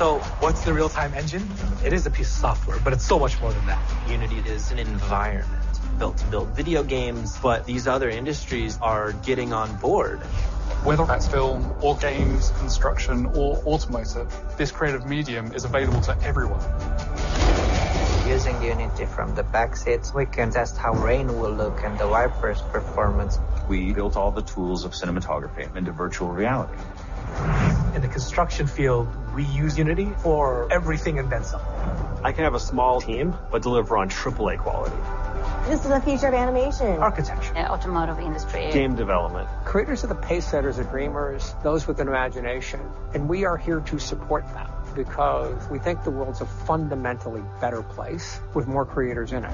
What's the real-time engine? It is a piece of software, but it's so much more than that. Unity is an environment built to build video games. These other industries are getting on board. Whether that's film or games, construction or automotive, this creative medium is available to everyone. Using Unity from the back seats, we can test how rain will look and the wipers' performance. We built all the tools of cinematography into virtual reality. In the construction field, we use Unity for everything and then some. I can have a small team, but deliver on AAA quality. This is the future of animation. Architecture. The automotive industry. Game development. Creators are the pacesetters, the dreamers, those with an imagination, and we are here to support them because we think the world's a fundamentally better place with more creators in it.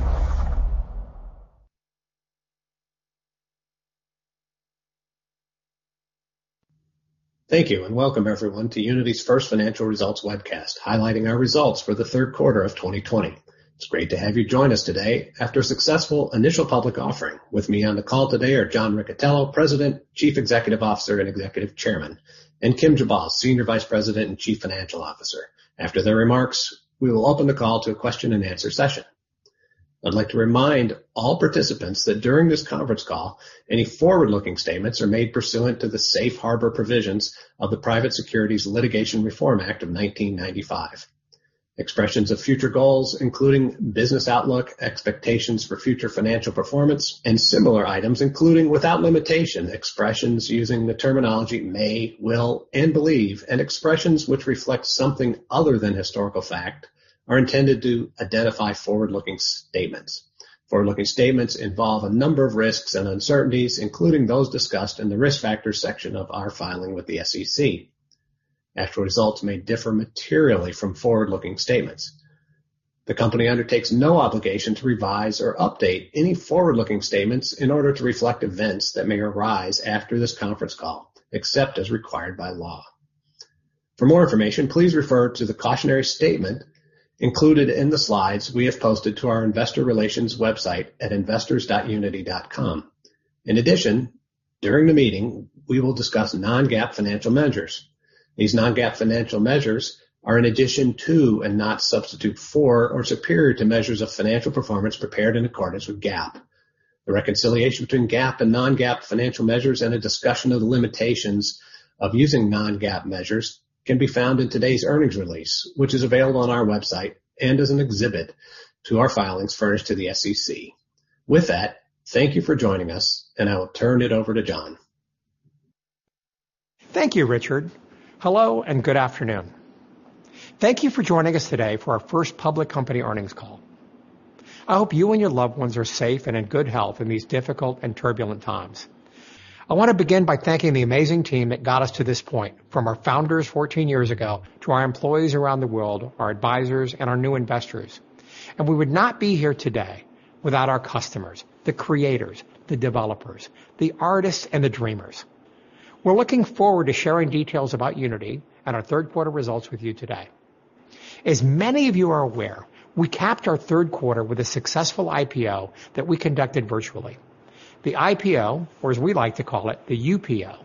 Thank you. Welcome everyone to Unity's first financial results webcast, highlighting our results for the third quarter of 2020. It's great to have you join us today after a successful initial public offering. With me on the call today are John Riccitiello, President, Chief Executive Officer, and Executive Chairman, and Kim Jabal, Senior Vice President and Chief Financial Officer. After their remarks, we will open the call to a question-and-answer session. I'd like to remind all participants that during this conference call, any forward-looking statements are made pursuant to the safe harbor provisions of the Private Securities Litigation Reform Act of 1995. Expressions of future goals, including business outlook, expectations for future financial performance, and similar items, including without limitation, expressions using the terminology may, will, and believe, and expressions which reflect something other than historical fact, are intended to identify forward-looking statements. Forward-looking statements involve a number of risks and uncertainties, including those discussed in the Risk Factors section of our filing with the SEC. Actual results may differ materially from forward-looking statements. The company undertakes no obligation to revise or update any forward-looking statements in order to reflect events that may arise after this conference call, except as required by law. For more information, please refer to the cautionary statement included in the slides we have posted to our investor relations website at investors.unity.com. In addition, during the meeting, we will discuss non-GAAP financial measures. These non-GAAP financial measures are in addition to, and not substitute for or superior to, measures of financial performance prepared in accordance with GAAP. The reconciliation between GAAP and non-GAAP financial measures and a discussion of the limitations of using non-GAAP measures can be found in today's earnings release, which is available on our website and as an exhibit to our filings furnished to the SEC. With that, thank you for joining us, and I will turn it over to John. Thank you, Richard. Hello and good afternoon. Thank you for joining us today for our first public company earnings call. I hope you and your loved ones are safe and in good health in these difficult and turbulent times. I want to begin by thanking the amazing team that got us to this point, from our founders 14 years ago to our employees around the world, our advisors, and our new investors. We would not be here today without our customers, the creators, the developers, the artists, and the dreamers. We're looking forward to sharing details about Unity and our third quarter results with you today. As many of you are aware, we capped our third quarter with a successful IPO that we conducted virtually. The IPO, or as we like to call it, the UPO,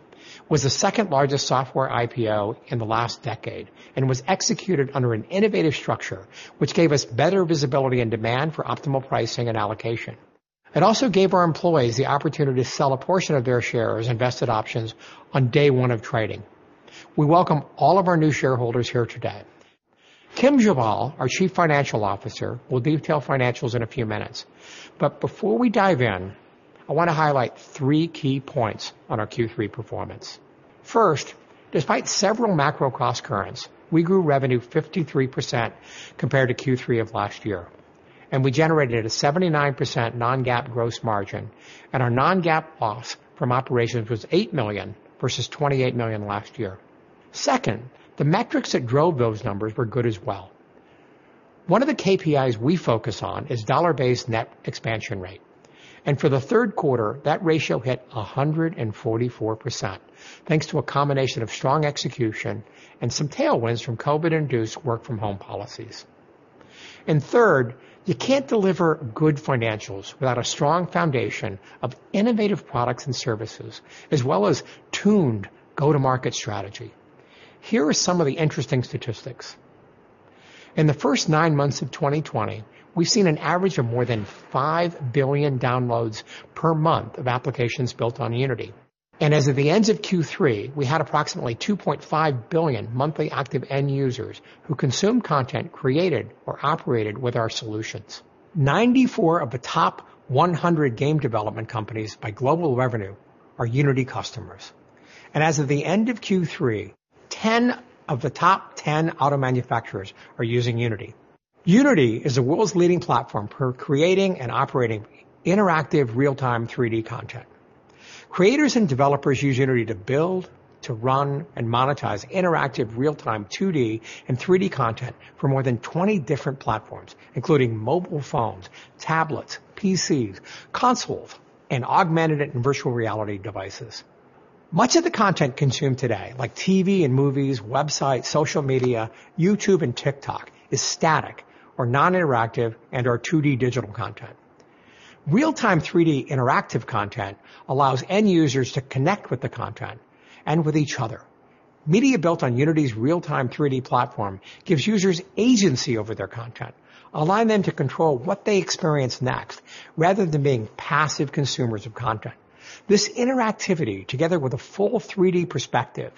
was the second-largest software IPO in the last decade and was executed under an innovative structure, which gave us better visibility and demand for optimal pricing and allocation. It also gave our employees the opportunity to sell a portion of their shares and vested options on day one of trading. We welcome all of our new shareholders here today. Kim Jabal, our Chief Financial Officer, will detail financials in a few minutes. Before we dive in, I want to highlight three key points on our Q3 performance. First, despite several macro crosscurrents, we grew revenue 53% compared to Q3 of last year, and we generated a 79% non-GAAP gross margin, and our non-GAAP loss from operations was $8 million versus $28 million last year. Second, the metrics that drove those numbers were good as well. One of the KPIs we focus on is dollar-based net expansion rate, and for the third quarter, that ratio hit 144%, thanks to a combination of strong execution and some tailwinds from COVID-induced work-from-home policies. Third, you can't deliver good financials without a strong foundation of innovative products and services, as well as tuned go-to-market strategy. Here are some of the interesting statistics. In the first nine months of 2020, we've seen an average of more than 5 billion downloads per month of applications built on Unity. As of the ends of Q3, we had approximately 2.5 billion monthly active end users who consumed content created or operated with our solutions. 94 of the top 100 game development companies by global revenue are Unity customers. As of the end of Q3, 10 of the top 10 auto manufacturers are using Unity. Unity is the world's leading platform for creating and operating interactive real-time 3D content. Creators and developers use Unity to build, to run, and monetize interactive real-time 2D and 3D content for more than 20 different platforms, including mobile phones, tablets, PCs, consoles, and augmented and virtual reality devices. Much of the content consumed today, like TV and movies, websites, social media, YouTube, and TikTok, is static or non-interactive and/or 2D digital content. Real-time, 3D interactive content allows end users to connect with the content and with each other. Media built on Unity's real-time, 3D platform gives users agency over their content, allowing them to control what they experience next rather than being passive consumers of content. This interactivity, together with a full 3D perspective,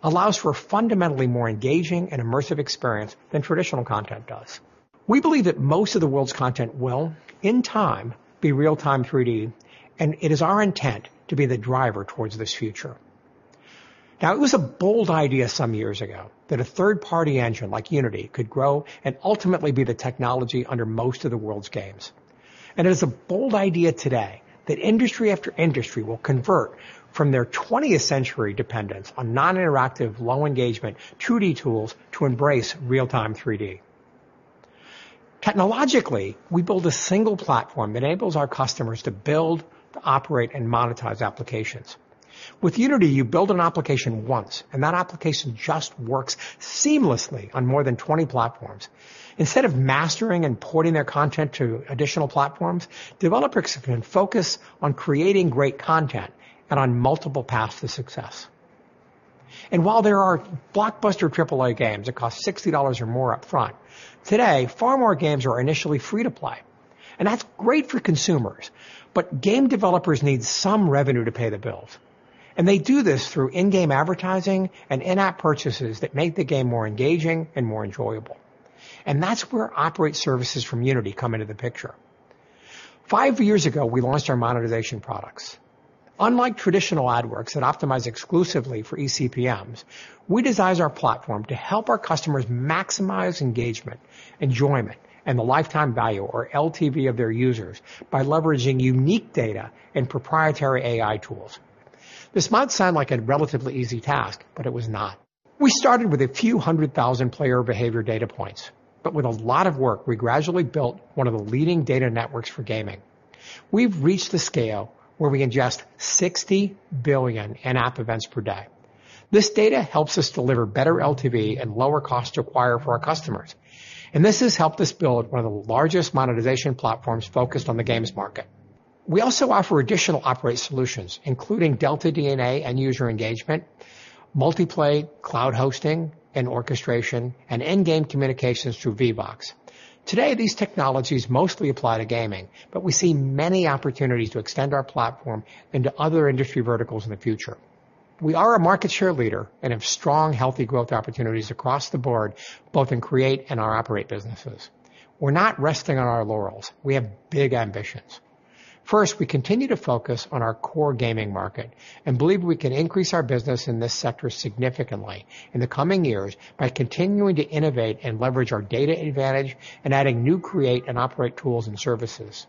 allows for a fundamentally more engaging and immersive experience than traditional content does. We believe that most of the world's content will, in time, be real-time, 3D, and it is our intent to be the driver towards this future. It was a bold idea some years ago that a third-party engine like Unity could grow and ultimately be the technology under most of the world's games. It is a bold idea today that industry after industry will convert from their 20th-century dependence on non-interactive, low-engagement, 2D tools to embrace real-time, 3D. Technologically, we build a single platform that enables our customers to build, operate, and monetize applications. With Unity, you build an application once, and that application just works seamlessly on more than 20 platforms. Instead of mastering and porting their content to additional platforms, developers can focus on creating great content and on multiple paths to success. While there are blockbuster AAA games that cost $60 or more upfront, today, far more games are initially free to play, and that's great for consumers. Game developers need some revenue to pay the bills, and they do this through in-game advertising and in-app purchases that make the game more engaging and more enjoyable. That's where operate services from Unity come into the picture. Five years ago, we launched our monetization products. Unlike traditional ad networks that optimize exclusively for eCPMs, we designed our platform to help our customers maximize engagement, enjoyment, and the lifetime value, or LTV, of their users by leveraging unique data and proprietary AI tools. This might sound like a relatively easy task, but it was not. We started with a few 100,000 player behavior data points, but with a lot of work, we gradually built one of the leading data networks for gaming. We've reached the scale where we ingest 60 billion in-app events per day. This data helps us deliver better LTV and lower cost to acquire for our customers, and this has helped us build one of the largest monetization platforms focused on the games market. We also offer additional Operate Solutions, including deltaDNA and user engagement, Multiplay cloud hosting and orchestration, and in-game communications through Vivox. Today, these technologies mostly apply to gaming, but we see many opportunities to extend our platform into other industry verticals in the future. We are a market share leader and have strong, healthy growth opportunities across the board, both in Create and our Operate businesses. We're not resting on our laurels. We have big ambitions. We continue to focus on our core gaming market and believe we can increase our business in this sector significantly in the coming years by continuing to innovate and leverage our data advantage and adding new create and operate tools and services.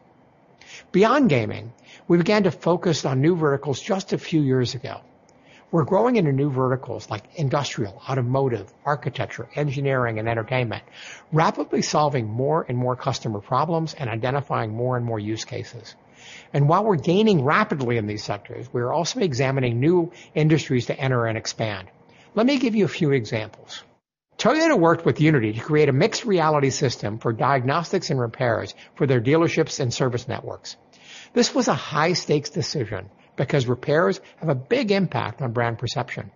Beyond gaming, we began to focus on new verticals just a few years ago. We're growing into new verticals like industrial, automotive, architecture, engineering, and entertainment, rapidly solving more and more customer problems and identifying more and more use cases. While we're gaining rapidly in these sectors, we are also examining new industries to enter and expand. Let me give you a few examples. Toyota worked with Unity to create a mixed-reality system for diagnostics and repairs for their dealerships and service networks. This was a high-stakes decision because repairs have a big impact on brand perception.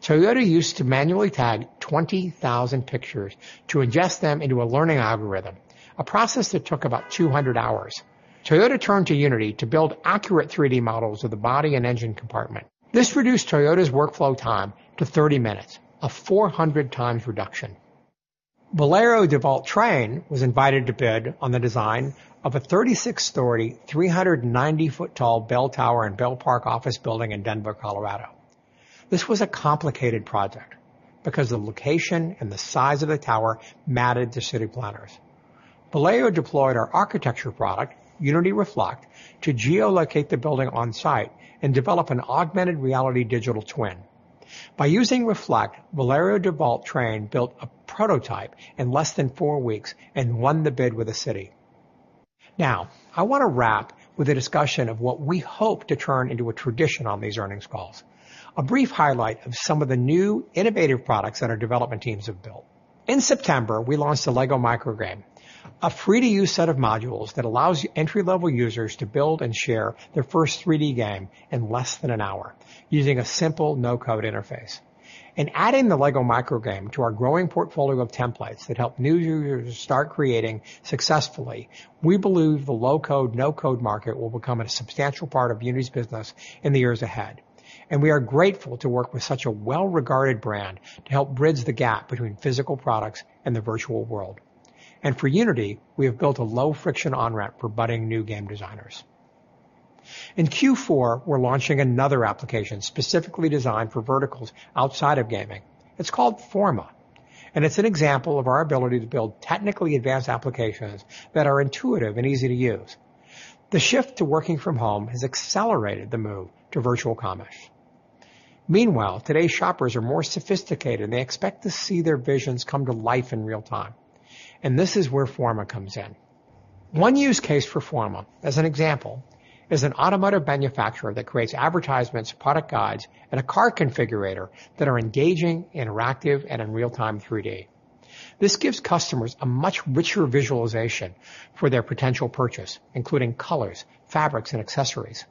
Toyota used to manually tag 20,000 pictures to ingest them into a learning algorithm, a process that took about 200 hours. Toyota turned to Unity to build accurate 3D models of the body and engine compartment. This reduced Toyota's workflow time to 30 minutes, a 400-times reduction. Valerio Dewalt Train was invited to bid on the design of a 36-story, 390-foot tall bell tower and bell park office building in Denver, Colorado. This was a complicated project because the location and the size of the tower mattered to city planners. Valerio deployed our architecture product, Unity Reflect, to geolocate the building on-site and develop an augmented reality digital twin. By using Reflect, Valerio Dewalt Train built a prototype in less than four weeks and won the bid with the city. I want to wrap with a discussion of what we hope to turn into a tradition on these earnings calls. A brief highlight of some of the new innovative products that our development teams have built. In September, we launched the LEGO Microgame, a free-to-use set of modules that allows entry-level users to build and share their first 3D game in less than an hour using a simple no-code interface. In adding the LEGO Microgame to our growing portfolio of templates that help new users start creating successfully, we believe the low-code, no-code market will become a substantial part of Unity's business in the years ahead, and we are grateful to work with such a well-regarded brand to help bridge the gap between physical products and the virtual world. And for Unity, we have built a low-friction on-ramp for budding new game designers. In Q4, we're launching another application specifically designed for verticals outside of gaming. It's called Forma, and it's an example of our ability to build technically advanced applications that are intuitive and easy to use. The shift to working from home has accelerated the move to virtual commerce. Meanwhile, today's shoppers are more sophisticated, and they expect to see their visions come to life in real time, and this is where Forma comes in. One use case for Forma, as an example, is an an automotive manufacturer that creates advertisements, product guides, and a car configurator that are engaging, interactive, and in real-time 3D. This gives customers a much richer visualization for their potential purchase, including colors, fabrics, and accessories.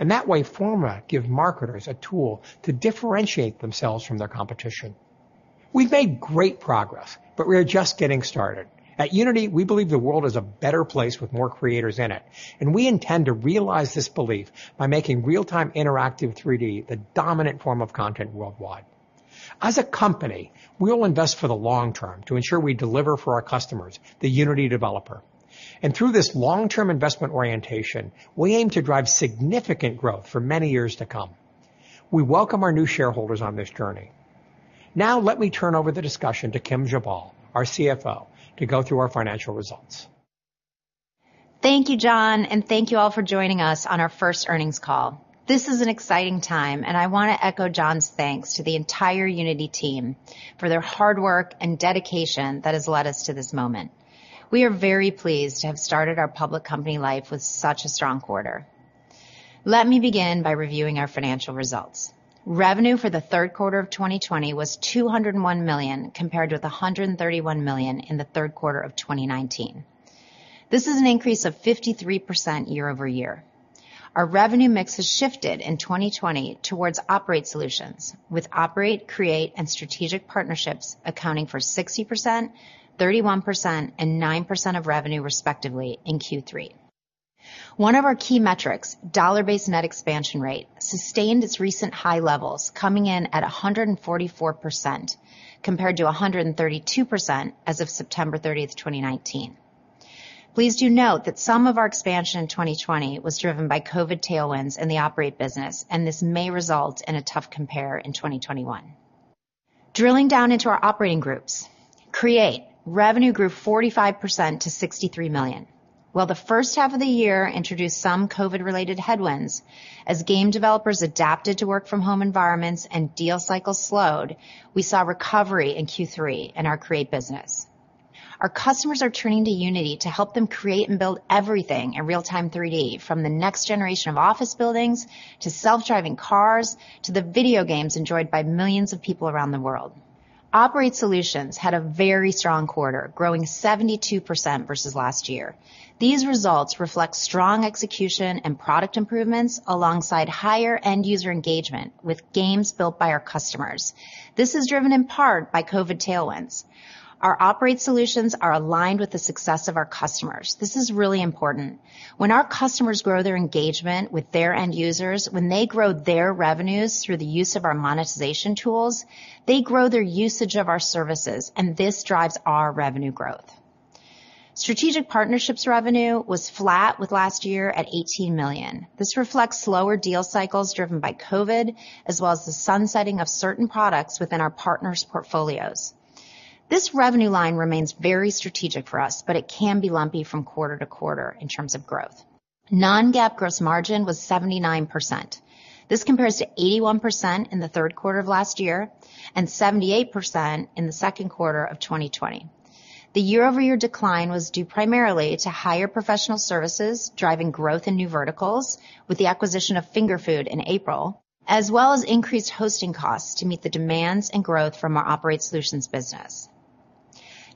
In that way, Forma give marketers a tool to differentiate themselves from their competition. We've made great progress, but we are just getting started. At Unity, we believe the world is a better place with more creators in it, and we intend to realize this belief by making real-time interactive 3D the dominant form of content worldwide. As a company, we will invest for the long term to ensure we deliver for our customers, the Unity developer. Through this long-term investment orientation, we aim to drive significant growth for many years to come. We welcome our new shareholders on this journey. Let me turn over the discussion to Kim Jabal, our CFO, to go through our financial results. Thank you, John, and thank you all for joining us on our first earnings call. This is an exciting time, and I want to echo John's thanks to the entire Unity team for their hard work and dedication that has led us to this moment. We are very pleased to have started our public company life with such a strong quarter. Let me begin by reviewing our financial results. Revenue for the third quarter of 2020 was $201 million, compared with $131 million in the third quarter of 2019. This is an increase of 53% year-over-year. Our revenue mix has shifted in 2020 towards Operate Solutions, with Operate, Create, and Strategic Partnerships accounting for 60%, 31%, and 9% of revenue, respectively, in Q3. One of our key metrics, dollar-based net expansion rate, sustained its recent high levels coming in at 144%, compared to 132% as of September 30th, 2019. Please do note that some of our expansion in 2020 was driven by COVID tailwinds in the operate business, and this may result in a tough compare in 2021. Drilling down into our operating groups. Create, revenue grew 45% to $63 million. While the first half of the year introduced some COVID-related headwinds, as game developers adapted to work-from-home environments and deal cycles slowed, we saw recovery in Q3 in our Create business. Our customers are turning to Unity to help them create and build everything in real-time 3D, from the next generation of office buildings to self-driving cars to the video games enjoyed by millions of people around the world. Operate Solutions had a very strong quarter, growing 72% versus last year. These results reflect strong execution and product improvements alongside higher-end-user engagement with games built by our customers. This is driven in part by COVID tailwinds. Our Operate Solutions are aligned with the success of our customers. This is really important. When our customers grow their engagement with their end users, when they grow their revenues through the use of our monetization tools, they grow their usage of our services, and this drives our revenue growth. Strategic partnerships revenue was flat with last year at $18 million. This reflects slower deal cycles driven by COVID, as well as the sunsetting of certain products within our partners' portfolios. This revenue line remains very strategic for us, but it can be lumpy from quarter to quarter in terms of growth. Non-GAAP gross margin was 79%. This compares to 81% in the third quarter of last year and 78% in the second quarter of 2020. The year-over-year decline was due primarily to higher professional services driving growth in new verticals with the acquisition of Finger Food in April, as well as increased hosting costs to meet the demands and growth from our Operate Solutions business.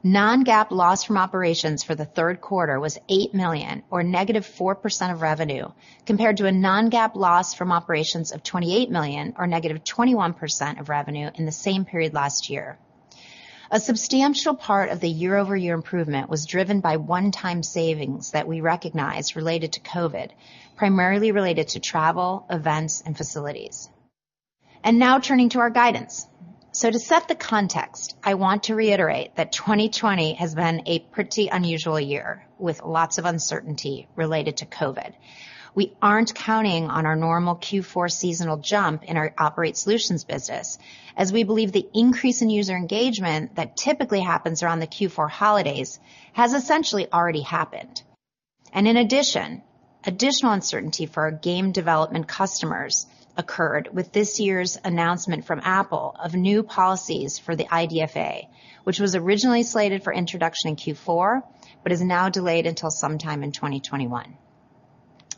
Non-GAAP loss from operations for the third quarter was $8 million, or -4% of revenue, compared to a non-GAAP loss from operations of $28 million, or -21% of revenue in the same period last year. A substantial part of the year-over-year improvement was driven by one-time savings that we recognized related to COVID, primarily related to travel, events, and facilities. Now turning to our guidance. To set the context, I want to reiterate that 2020 has been a pretty unusual year with lots of uncertainty related to COVID. We aren't counting on our normal Q4 seasonal jump in our Operate Solutions business, as we believe the increase in user engagement that typically happens around the Q4 holidays has essentially already happened. In addition, additional uncertainty for our game development customers occurred with this year's announcement from Apple of new policies for the IDFA, which was originally slated for introduction in Q4, but is now delayed until sometime in 2021.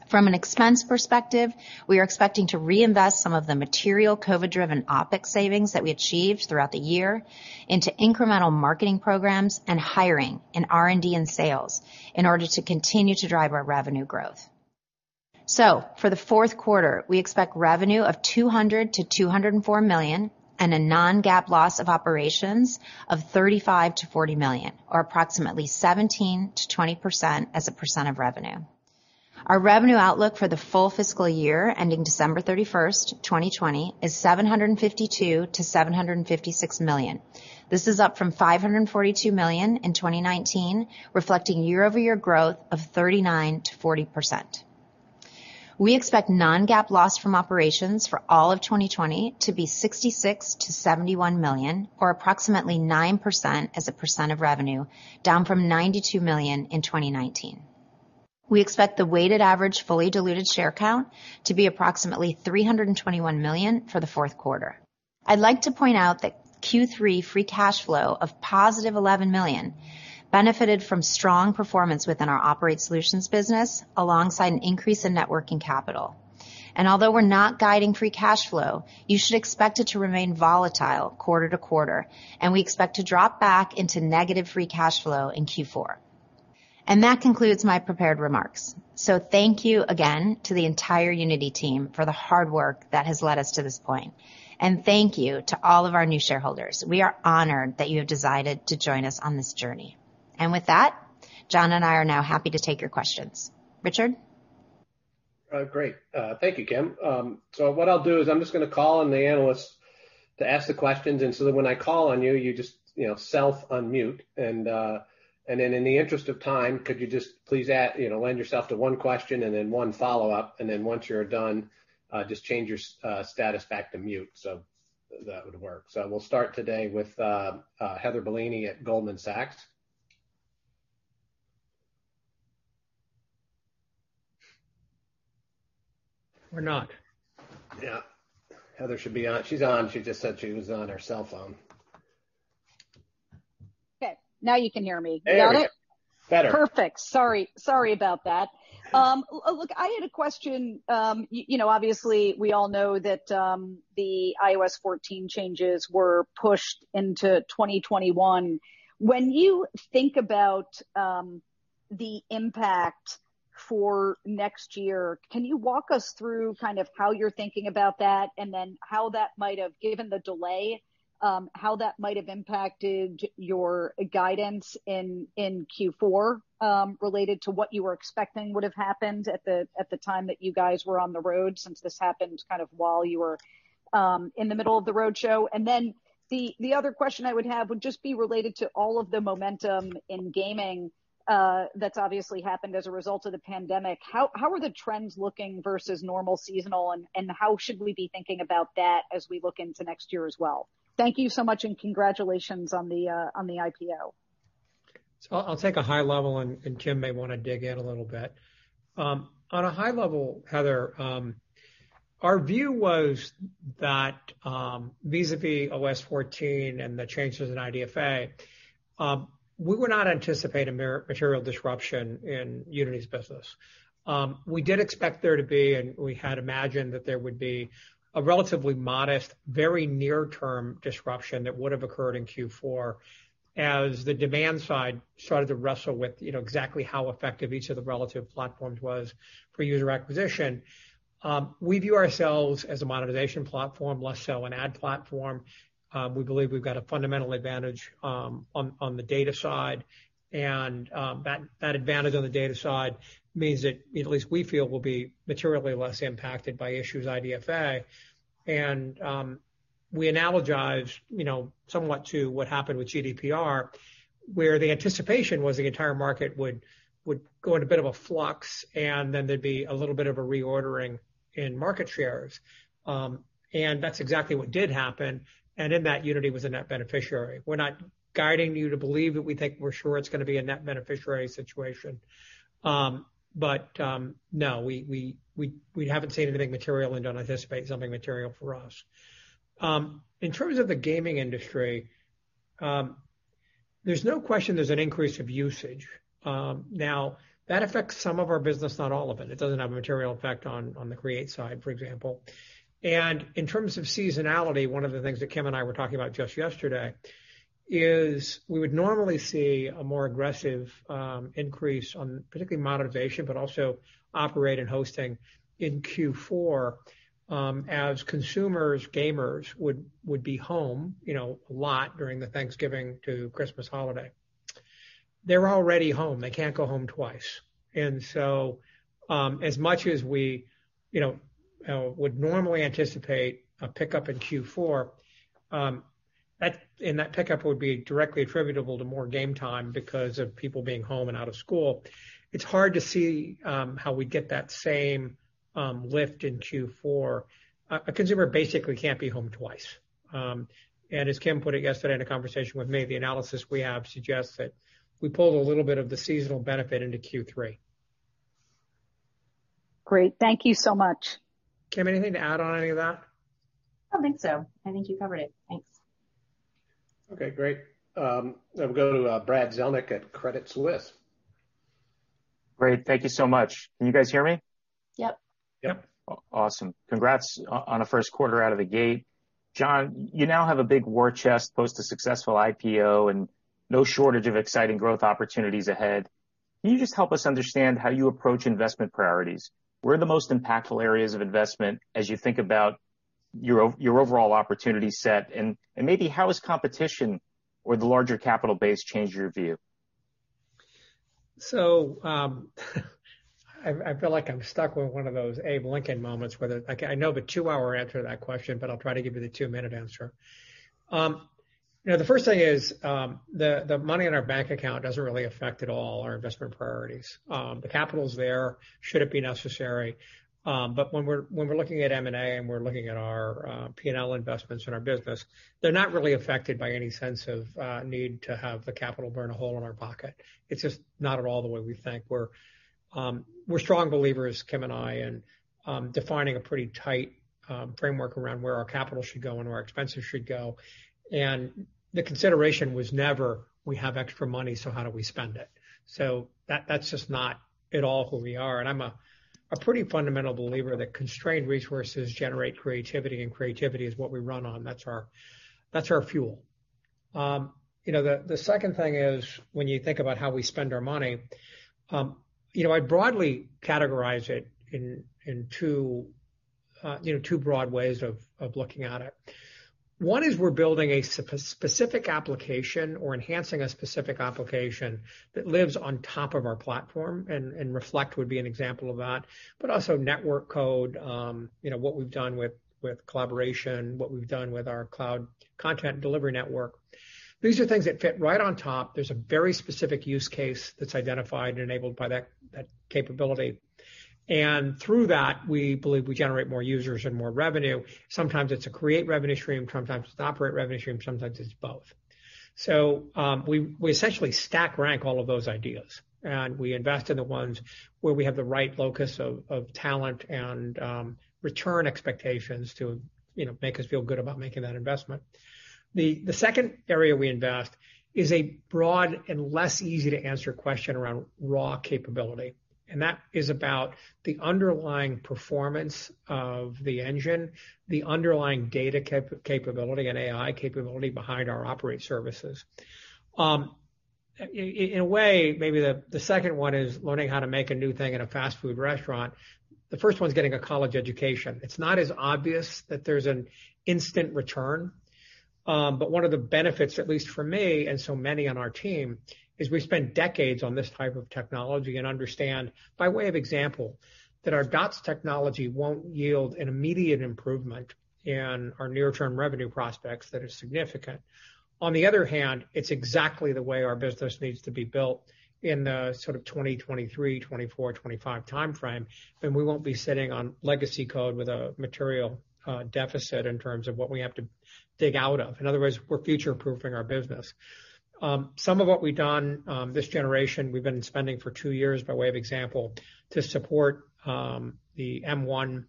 From an expense perspective, we are expecting to reinvest some of the material COVID-driven OpEx savings that we achieved throughout the year into incremental marketing programs and hiring in R&D and sales in order to continue to drive our revenue growth. For the fourth quarter, we expect revenue of $200 million-$204 million and a non-GAAP loss of operations of $35 million-$40 million, or approximately 17%-20% as a % of revenue. Our revenue outlook for the full fiscal year ending December 31st, 2020, is $752 million-$756 million. This is up from $542 million in 2019, reflecting year-over-year growth of 39%-40%. We expect non-GAAP loss from operations for all of 2020 to be $66 million-$71 million, or approximately 9% as a % of revenue, down from $92 million in 2019. We expect the weighted average fully diluted share count to be approximately 321 million for the fourth quarter. I'd like to point out that Q3 free cash flow of positive $11 million benefited from strong performance within our Operate Solutions business, alongside an increase in networking capital. Although we're not guiding free cash flow, you should expect it to remain volatile quarter to quarter, and we expect to drop back into negative free cash flow in Q4. That concludes my prepared remarks. Thank you again to the entire Unity team for the hard work that has led us to this point. Thank you to all of our new shareholders. We are honored that you have decided to join us on this journey. With that, John and I are now happy to take your questions. Richard? Great. Thank you, Kim. What I'll do is I'm just going to call on the analysts to ask the questions, when I call on you just self-unmute. In the interest of time, could you just please lend yourself to one question and then one follow-up, and then once you're done, just change your status back to mute. That would work. We'll start today with Heather Bellini at Goldman Sachs. Not. Yeah. Heather should be on. She's on. She just said she was on her cell phone. Okay. Now you can hear me. Got it? Perfect. Sorry about that. Look, I had a question. Obviously, we all know that the iOS 14 changes were pushed into 2021. When you think about the impact for next year, can you walk us through how you're thinking about that, and then given the delay, how that might have impacted your guidance in Q4, related to what you were expecting would have happened at the time that you guys were on the road, since this happened while you were in the middle of the roadshow? The other question I would have would just be related to all of the momentum in gaming that's obviously happened as a result of the pandemic. How are the trends looking versus normal seasonal, and how should we be thinking about that as we look into next year as well? Thank you so much, and congratulations on the IPO. I'll take a high level, and Kim may want to dig in a little bit. On a high level, Heather, our view was that vis-à-vis iOS 14 and the changes in IDFA, we would not anticipate a material disruption in Unity's business. We did expect there to be, and we had imagined that there would be, a relatively modest, very near-term disruption that would have occurred in Q4 as the demand side started to wrestle with exactly how effective each of the relative platforms was for user acquisition. We view ourselves as a monetization platform, less so an ad platform. We believe we've got a fundamental advantage on the data side, and that advantage on the data side means that at least we feel we'll be materially less impacted by issues IDFA. We analogize somewhat to what happened with GDPR, where the anticipation was the entire market would go in a bit of a flux and then there'd be a little bit of a reordering in market shares. That's exactly what did happen. In that, Unity was a net beneficiary. We're not guiding you to believe that we think we're sure it's going to be a net beneficiary situation. No, we haven't seen anything material and don't anticipate something material for us. In terms of the gaming industry, there's no question there's an increase of usage. That affects some of our business, not all of it. It doesn't have a material effect on the Create side, for example. In terms of seasonality, one of the things that Kim and I were talking about just yesterday is we would normally see a more aggressive increase on particularly monetization, but also operate and hosting in Q4, as consumers, gamers would be home a lot during the Thanksgiving to Christmas holiday. They're already home. They can't go home twice. As much as we would normally anticipate a pickup in Q4, and that pickup would be directly attributable to more game time because of people being home and out of school. It's hard to see how we get that same lift in Q4. A consumer basically can't be home twice. As Kim put it yesterday in a conversation with me, the analysis we have suggests that we pulled a little bit of the seasonal benefit into Q3. Great. Thank you so much. Kim, anything to add on any of that? I don't think so. I think you covered it. Thanks. Okay, great. I'll go to Brad Zelnick at Credit Suisse. Great. Thank you so much. Can you guys hear me? Yep. Yep. Awesome. Congrats on a first quarter out of the gate. John, you now have a big war chest post a successful IPO and no shortage of exciting growth opportunities ahead. Can you just help us understand how you approach investment priorities? Where are the most impactful areas of investment as you think about your overall opportunity set, and maybe how has competition or the larger capital base changed your view? I feel like I'm stuck with one of those Abe Lincoln moments where I know the two-hour answer to that question, but I'll try to give you the two-minute answer. The first thing is, the money in our bank account doesn't really affect at all our investment priorities. The capital's there should it be necessary. When we're looking at M&A and we're looking at our P&L investments in our business, they're not really affected by any sense of need to have the capital burn a hole in our pocket. It's just not at all the way we think. We're strong believers, Kim and I, in defining a pretty tight framework around where our capital should go and where our expenses should go. The consideration was never, "We have extra money, so how do we spend it?" That's just not at all who we are, and I'm a pretty fundamental believer that constrained resources generate creativity, and creativity is what we run on. That's our fuel. The second thing is, when you think about how we spend our money, I broadly categorize it in two broad ways of looking at it. One is we're building a specific application or enhancing a specific application that lives on top of our platform, and Unity Reflect would be an example of that. Also network code, what we've done with collaboration, what we've done with our Cloud Content Delivery network. These are things that fit right on top. There's a very specific use case that's identified and enabled by that capability. Through that, we believe we generate more users and more revenue. Sometimes it's a Create revenue stream, sometimes it's an Operate revenue stream, sometimes it's both. We essentially stack rank all of those ideas, and we invest in the ones where we have the right locus of talent and return expectations to make us feel good about making that investment. The second area we invest is a broad and less easy-to-answer question around raw capability, and that is about the underlying performance of the engine, the underlying data capability and AI capability behind our Operate services. In a way, maybe the second one is learning how to make a new thing in a fast food restaurant. The first one's getting a college education. It's not as obvious that there's an instant return. One of the benefits, at least for me and so many on our team, is we've spent decades on this type of technology and understand, by way of example, that our DOTS technology won't yield an immediate improvement in our near-term revenue prospects that are significant. On the other hand, it's exactly the way our business needs to be built in the sort of 2023, 2024, 2025 timeframe, and we won't be sitting on legacy code with a material deficit in terms of what we have to dig out of. In other words, we're future-proofing our business. Some of what we've done, this generation, we've been spending for two years by way of example, to support the M1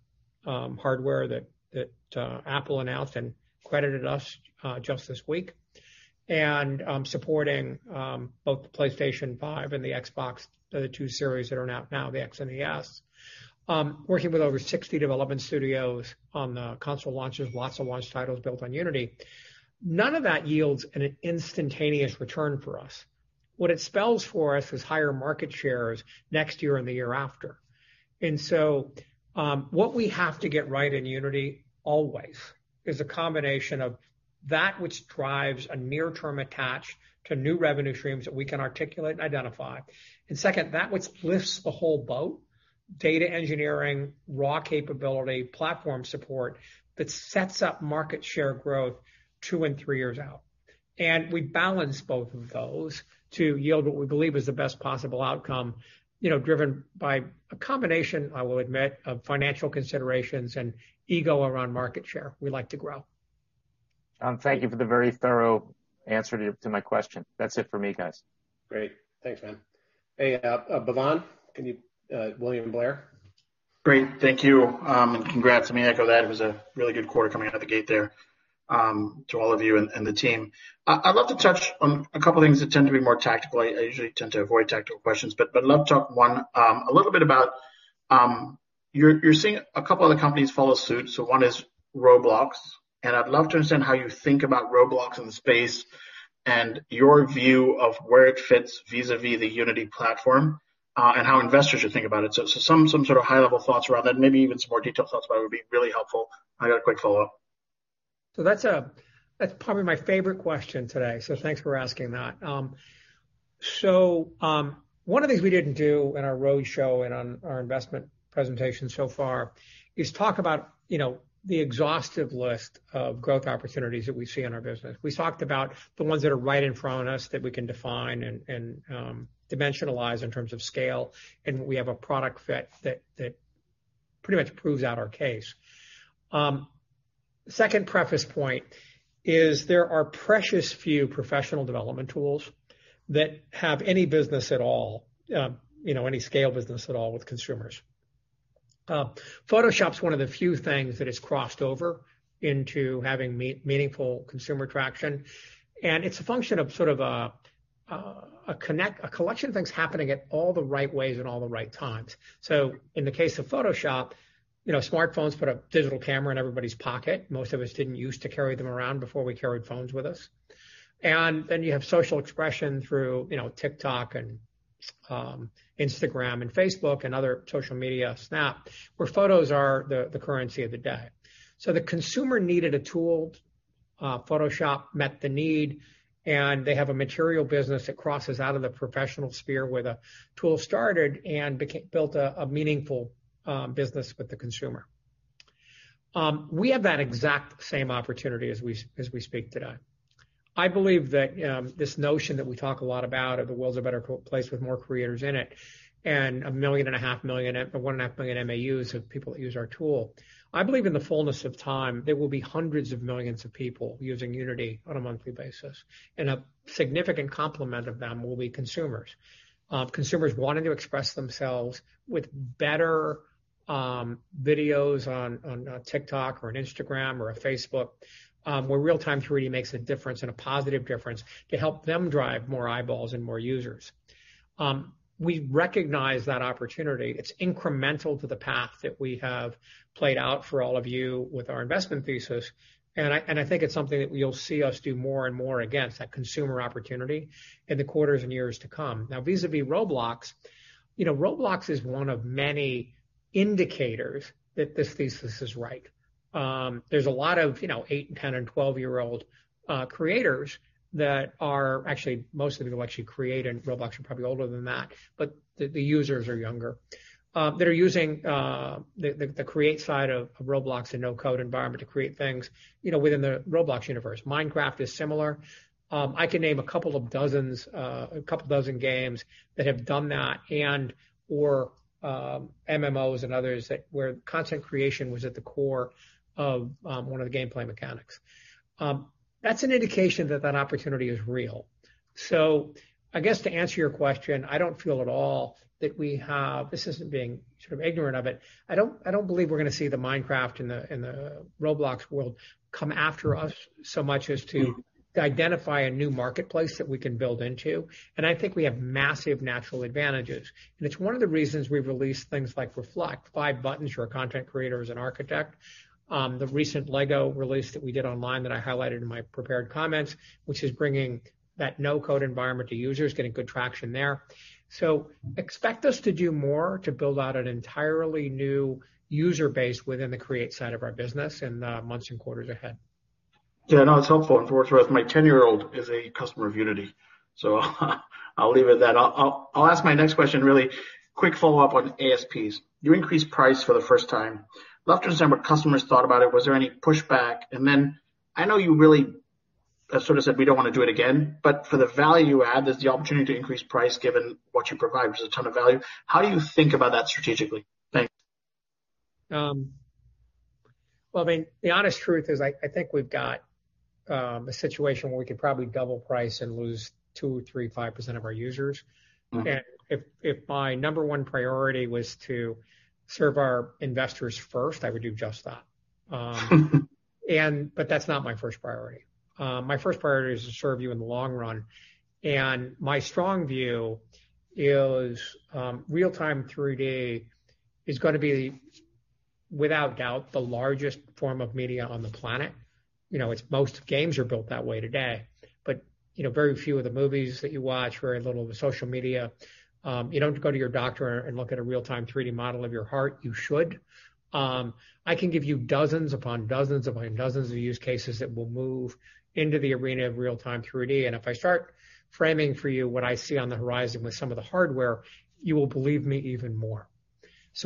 hardware that Apple announced and credited us just this week, and supporting both the PlayStation 5 and the Xbox, the two series that are out now, the X and the S. Working with over 60 development studios on the console launches, lots of launch titles built on Unity. None of that yields an instantaneous return for us. What it spells for us is higher market shares next year and the year after. What we have to get right in Unity always is a combination of that which drives a near term attach to new revenue streams that we can articulate and identify. Second, that which lifts the whole boat, data engineering, raw capability, platform support, that sets up market share growth two and three years out. We balance both of those to yield what we believe is the best possible outcome, driven by a combination, I will admit, of financial considerations and ego around market share. We like to grow. Thank you for the very thorough answer to my question. That's it for me, guys. Great. Thanks, man. Hey, Bhavan, William Blair. Great. Thank you, congrats. Let me echo that. It was a really good quarter coming out of the gate there to all of you and the team. I'd love to touch on a couple of things that tend to be more tactical. I usually tend to avoid tactical questions. I'd love to talk, one, a little bit about you're seeing a couple other companies follow suit. One is Roblox, and I'd love to understand how you think about Roblox in the space and your view of where it fits vis-à-vis the Unity platform, and how investors should think about it. Some sort of high-level thoughts around that, maybe even some more detailed thoughts about it would be really helpful. I got a quick follow-up. That's probably my favorite question today. Thanks for asking that. One of the things we didn't do in our roadshow and on our investment presentation so far is talk about the exhaustive list of growth opportunities that we see in our business. We talked about the ones that are right in front of us that we can define and dimensionalize in terms of scale, and we have a product fit that pretty much proves out our case. Second preface point is there are precious few professional development tools that have any business at all, any scale business at all with consumers. Photoshop's one of the few things that has crossed over into having meaningful consumer traction, and it's a function of sort of a collection of things happening at all the right ways and all the right times. In the case of Photoshop, smartphones put a digital camera in everybody's pocket. Most of us didn't use to carry them around before we carried phones with us. You have social expression through TikTok and Instagram and Facebook and other social media, Snap, where photos are the currency of the day. The consumer needed a tool. Photoshop met the need, and they have a material business that crosses out of the professional sphere where the tool started and built a meaningful business with the consumer. We have that exact same opportunity as we speak today. I believe that this notion that we talk a lot about of the world's a better place with more creators in it, and 1.5 million MAUs of people that use our tool. I believe in the fullness of time, there will be 100s of millions of people using Unity on a monthly basis, and a significant complement of them will be consumers. Consumers wanting to express themselves with better videos on TikTok or on Instagram or on Facebook, where real-time 3D makes a difference and a positive difference to help them drive more eyeballs and more users. We recognize that opportunity. It's incremental to the path that we have played out for all of you with our investment thesis, and I think it's something that you'll see us do more and more against, that consumer opportunity, in the quarters and years to come. Now, vis-à-vis Roblox is one of many indicators that this thesis is right. There's a lot of eight- and 10- and 12-year-old creators that are actually, most of the people actually creating Roblox are probably older than that, but the users are younger, that are using the create side of Roblox in no-code environment to create things within the Roblox universe. Minecraft is similar. I can name a couple of dozen games that have done that and/or MMOs and others where content creation was at the core of one of the gameplay mechanics. That's an indication that that opportunity is real. I guess to answer your question, I don't feel at all that this isn't being sort of ignorant of it. I don't believe we're going to see the Minecraft and the Roblox world come after us so much as to identify a new marketplace that we can build into. I think we have massive natural advantages, and it's one of the reasons we've released things like Reflect, five buttons for a content creator as an architect. The recent LEGO release that we did online that I highlighted in my prepared comments, which is bringing that no-code environment to users, getting good traction there. Expect us to do more to build out an entirely new user base within the create side of our business in the months and quarters ahead. No, that's helpful. For what it's worth, my 10-year-old is a customer of Unity, so I'll leave it at that. I'll ask my next question, really quick follow-up on ASPs. You increased price for the first time. Love to understand what customers thought about it. Was there any pushback? Then I know you really sort of said we don't want to do it again, but for the value add, there's the opportunity to increase price given what you provide, which is a ton of value. How do you think about that strategically? Thanks. Well, I mean, the honest truth is, I think we've got a situation where we could probably double price and lose 2%, 3%, 5% of our users. If my number one priority was to serve our investors first, I would do just that. That's not my first priority. My first priority is to serve you in the long run, my strong view is real-time 3D is going to be, without doubt, the largest form of media on the planet. Most games are built that way today. Very few of the movies that you watch, very little of the social media. You don't go to your doctor and look at a real-time 3D model of your heart. You should. I can give you dozens upon dozens upon dozens of use cases that will move into the arena of real-time 3D. If I start framing for you what I see on the horizon with some of the hardware, you will believe me even more.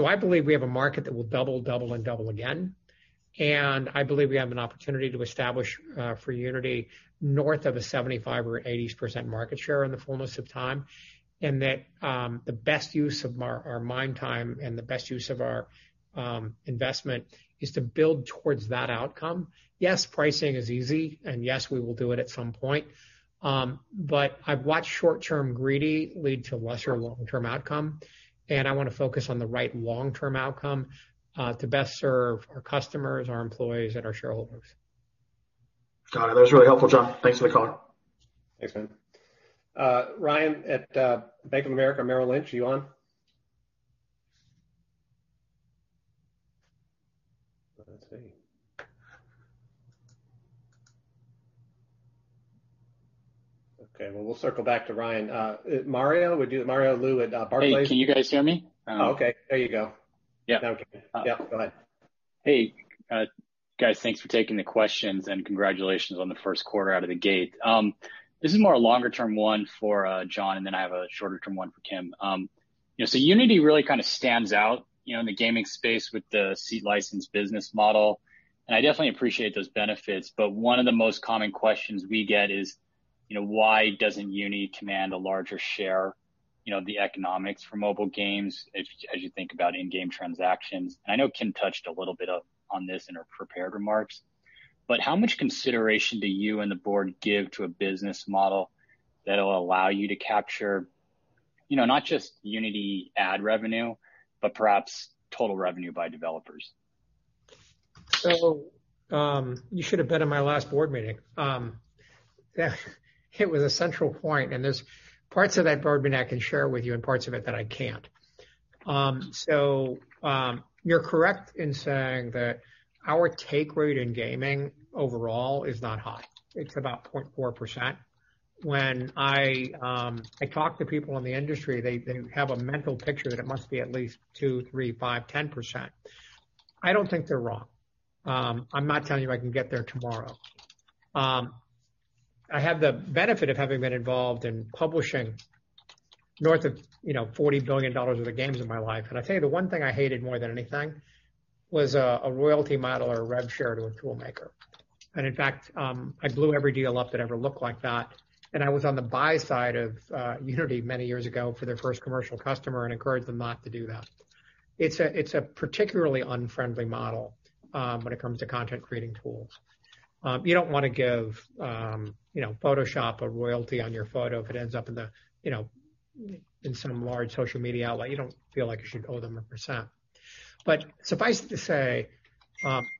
I believe we have a market that will double, and double again. I believe we have an opportunity to establish for Unity north of a 75% or an 80% market share in the fullness of time. That the best use of our mind time and the best use of our investment is to build towards that outcome. Yes, pricing is easy, and yes, we will do it at some point. I've watched short-term greedy lead to lesser long-term outcome, and I want to focus on the right long-term outcome to best serve our customers, our employees, and our shareholders. Got it. That was really helpful, John. Thanks for the call. Thanks, man. Ryan at Bank of America Merrill Lynch, are you on? Let's see. Okay, well, we'll circle back to Ryan. Mario Lu at Barclays. Hey, can you guys hear me? Oh, okay. There you go. Yeah. Okay. Yeah, go ahead. Hey, guys, thanks for taking the questions. Congratulations on the first quarter out of the gate. This is more a longer-term one for John. Then I have a shorter-term one for Kim. Unity really kind of stands out in the gaming space with the seat license business model. I definitely appreciate those benefits. One of the most common questions we get is why doesn't Unity command a larger share the economics for mobile games as you think about in-game transactions? I know Kim touched a little bit on this in her prepared remarks. How much consideration do you and the board give to a business model that'll allow you to capture not just Unity ad revenue, perhaps total revenue by developers? You should have been in my last board meeting. It was a central point, and there is parts of that board meeting I can share with you and parts of it that I can't. You are correct in saying that our take rate in gaming overall is not high. It is about 0.4%. When I talk to people in the industry, they have a mental picture that it must be at least 2%, 3%, 5%, 10%. I do not think they are wrong. I am not telling you I can get there tomorrow. I have the benefit of having been involved in publishing north of $40 billion worth of games in my life. I tell you, the one thing I hated more than anything was a royalty model or a rev share to a tool maker. In fact, I blew every deal up that ever looked like that. I was on the buy side of Unity many years ago for their first commercial customer and encouraged them not to do that. It's a particularly unfriendly model when it comes to content-creating tools. You don't want to give Photoshop a royalty on your photo if it ends up in some large social media outlet. You don't feel like you should owe them a %. Suffice it to say,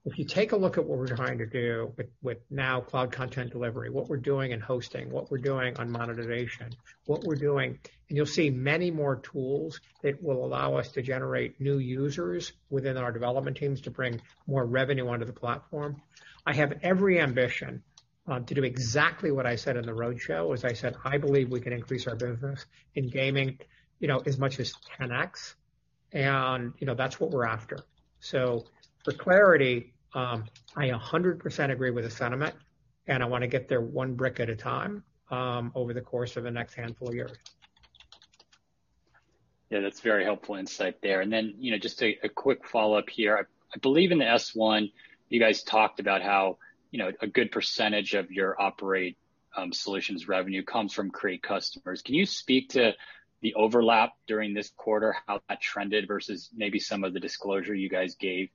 if you take a look at what we're trying to do with now Cloud Content Delivery, what we're doing in hosting, what we're doing on monetization, what we're doing, and you'll see many more tools that will allow us to generate new users within our development teams to bring more revenue onto the platform. I have every ambition to do exactly what I said in the roadshow, as I said, I believe we can increase our business in gaming as much as 10x, and that's what we're after. For clarity, I 100% agree with the sentiment, and I want to get there one brick at a time over the course of the next handful of years. Yeah, that's very helpful insight there. Just a quick follow-up here. I believe in the S-1, you guys talked about how a good % of your Operate Solutions revenue comes from Create customers. Can you speak to the overlap during this quarter, how that trended versus maybe some of the disclosure you guys gave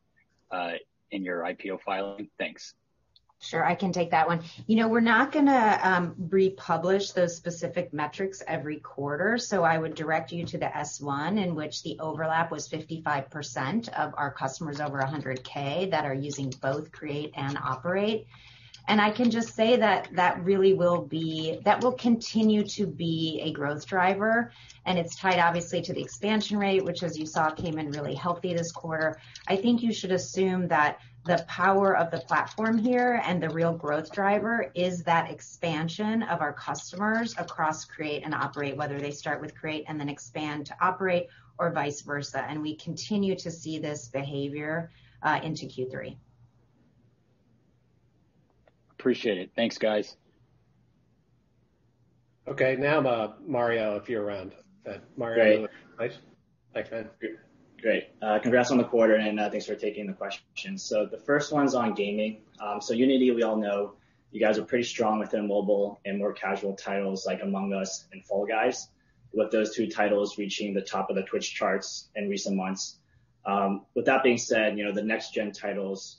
in your IPO filing? Thanks. Sure. I can take that one. We're not going to republish those specific metrics every quarter. I would direct you to the S-1 in which the overlap was 55% of our customers over 100,000 that are using both Create and Operate. I can just say that will continue to be a growth driver, and it's tied obviously to the expansion rate, which as you saw, came in really healthy this quarter. I think you should assume that the power of the platform here and the real growth driver is that expansion of our customers across Create and Operate, whether they start with Create and then expand to Operate or vice versa. We continue to see this behavior into Q3. Appreciate it. Thanks, guys. Mario, if you're around. Great. Hi. Hi, friend. Great. Congrats on the quarter, and thanks for taking the questions. The first one's on gaming. Unity, we all know you guys are pretty strong within mobile and more casual titles like Among Us and Fall Guys, with those two titles reaching the top of the Twitch charts in recent months. With that being said, the next gen titles,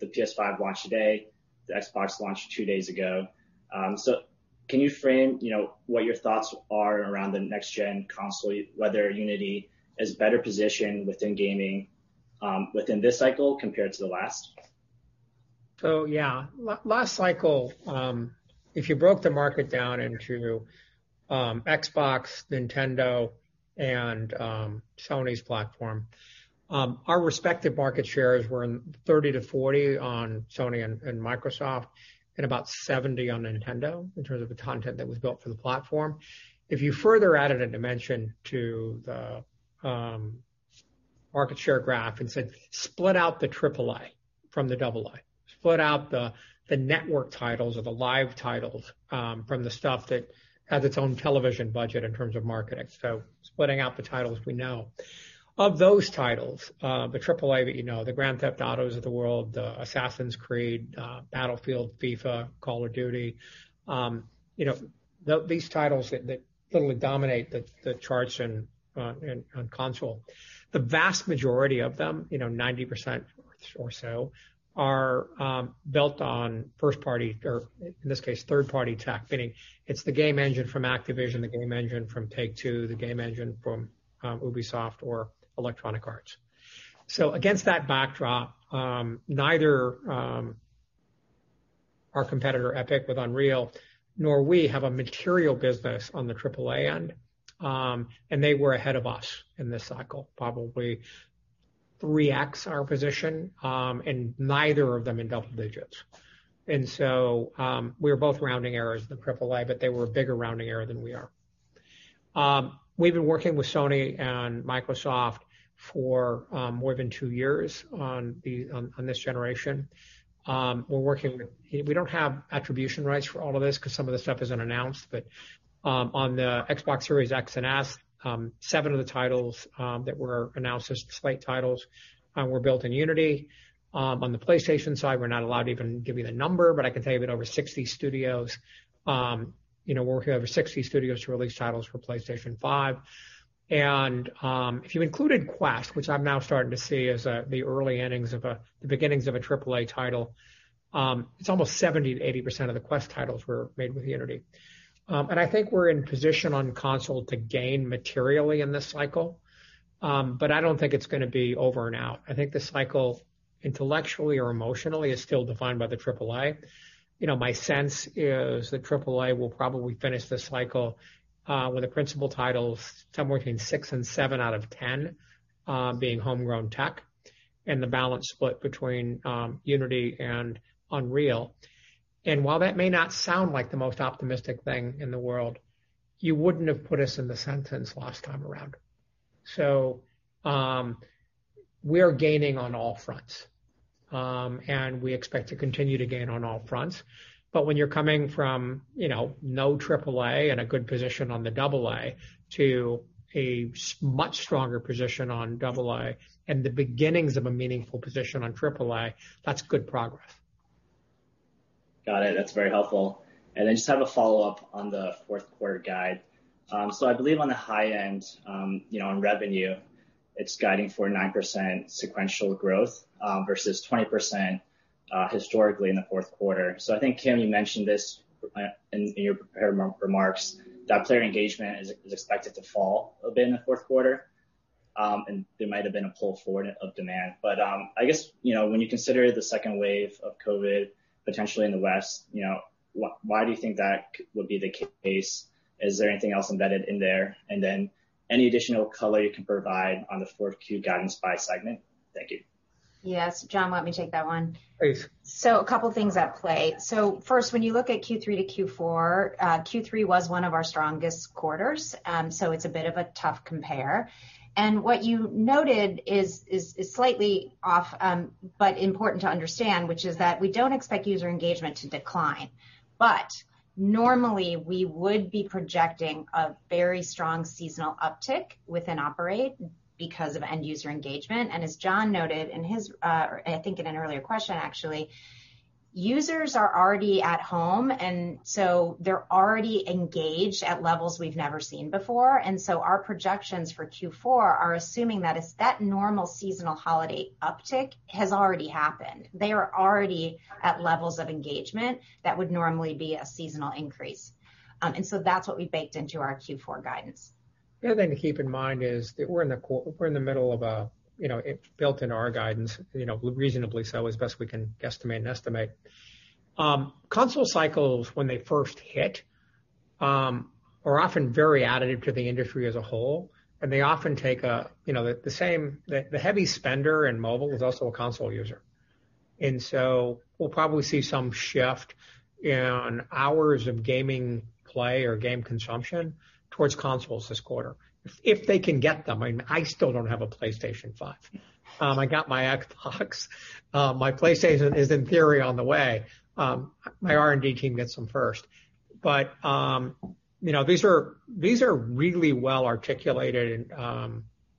the PS5 launched today, the Xbox launched two days ago. Can you frame what your thoughts are around the next gen console, whether Unity is better positioned within gaming within this cycle compared to the last? Last cycle, if you broke the market down into Xbox, Nintendo, and Sony's platform, our respective market shares were 30%-40% on Sony and Microsoft and about 70% on Nintendo in terms of the content that was built for the platform. If you further added a dimension to the market share graph and said, "Split out the AAA from the AA. Split out the network titles or the live titles from the stuff that has its own television budget in terms of marketing." Splitting out the titles we know. Of those titles, the AAA that you know, the Grand Theft Autos of the world, the Assassin's Creed, Battlefield, FIFA, Call of Duty. These titles that literally dominate the charts on console. The vast majority of them, 90% or so, are built on first-party or, in this case, third-party tech. Meaning it's the game engine from Activision, the game engine from Take-Two, the game engine from Ubisoft or Electronic Arts. Against that backdrop, neither our competitor Epic with Unreal, nor we have a material business on the AAA end. They were ahead of us in this cycle, probably 3x our position, and neither of them in double digits. We are both rounding errors in the AAA, but they were a bigger rounding error than we are. We've been working with Sony and Microsoft for more than two years on this generation. We don't have attribution rights for all of this because some of the stuff isn't announced. On the Xbox Series X and S, seven of the titles that were announced as launch titles were built in Unity. On the PlayStation side, we're not allowed to even give you the number, but I can tell you we have over 60 studios. Working with over 60 studios to release titles for PlayStation 5. If you included Quest, which I'm now starting to see as the early innings of the beginnings of a AAA title, it's almost 70%-80% of the Quest titles were made with Unity. I think we're in position on console to gain materially in this cycle. I don't think it's going to be over and out. I think this cycle, intellectually or emotionally, is still defined by the AAA. My sense is that AAA will probably finish this cycle with the principal titles somewhere between six and seven out of 10 being homegrown tech and the balance split between Unity and Unreal. While that may not sound like the most optimistic thing in the world, you wouldn't have put us in the sentence last time around. We are gaining on all fronts, and we expect to continue to gain on all fronts. When you're coming from no AAA and a good position on the AA to a much stronger position on AA and the beginnings of a meaningful position on AAA, that's good progress. Got it. That's very helpful. I just have a follow-up on the fourth quarter guide. I believe on the high end, in revenue, it's guiding for 9% sequential growth versus 20% historically in the fourth quarter. I think, Kim, you mentioned this in your prepared remarks, that player engagement is expected to fall a bit in the fourth quarter, and there might have been a pull forward of demand. I guess, when you consider the second wave of COVID potentially in the West, why do you think that would be the case? Is there anything else embedded in there? Any additional color you can provide on the fourth Q guidance by segment? Thank you. Yes. John, let me take that one. Please. A couple things at play. First, when you look at Q3 to Q4, Q3 was one of our strongest quarters, so it's a bit of a tough compare. What you noted is slightly off, but important to understand, which is that we don't expect user engagement to decline. Normally, we would be projecting a very strong seasonal uptick within Operate because of end-user engagement. As John noted, I think in an earlier question actually, users are already at home, and so they're already engaged at levels we've never seen before. Our projections for Q4 are assuming that normal seasonal holiday uptick has already happened. They are already at levels of engagement that would normally be a seasonal increase. That's what we baked into our Q4 guidance. The other thing to keep in mind is that it built in our guidance reasonably so as best we can guesstimate an estimate. Console cycles when they first hit, are often very additive to the industry as a whole. The heavy spender in mobile is also a console user. We'll probably see some shift in hours of gaming play or game consumption towards consoles this quarter if they can get them. I still don't have a PlayStation 5. I got my Xbox. My PlayStation is in theory on the way. My R&D team gets them first. These are really well-articulated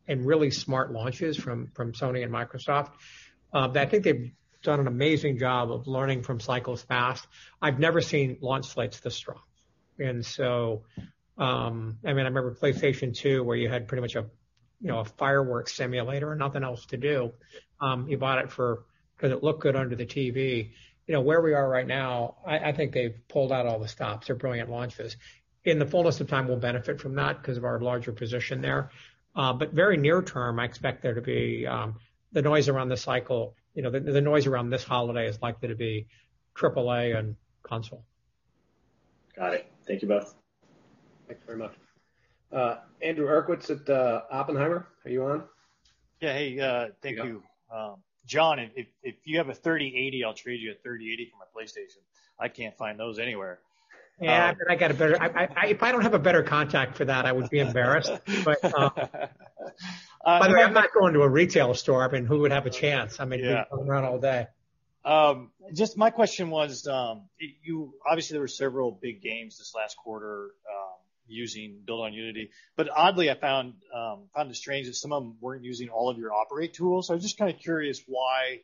and really smart launches from Sony and Microsoft, that I think they've done an amazing job of learning from cycles past. I've never seen launch slates this strong. I mean, I remember PlayStation 2 where you had pretty much a fireworks simulator and nothing else to do. You bought it because it looked good under the TV. Where we are right now, I think they've pulled out all the stops. They're brilliant launches. In the fullness of time, we'll benefit from that because of our larger position there. Very near term, I expect there to be the noise around this cycle, the noise around this holiday is likely to be AAA and console. Got it. Thank you both. Thanks very much. Andrew Uerkwitz at Oppenheimer, are you on? Hey, thank you. John, if you have a 3080, I'll trade you a 3080 for my PlayStation. I can't find those anywhere. Yeah, if I don't have a better contact for that, I would be embarrassed. By the way, I'm not going to a retail store. I mean, who would have a chance? Yeah You'd be there all day. Just my question was, obviously there were several big games this last quarter built on Unity. Oddly, I found it strange that some of them weren't using all of your Operate Solutions. I'm just kind of curious why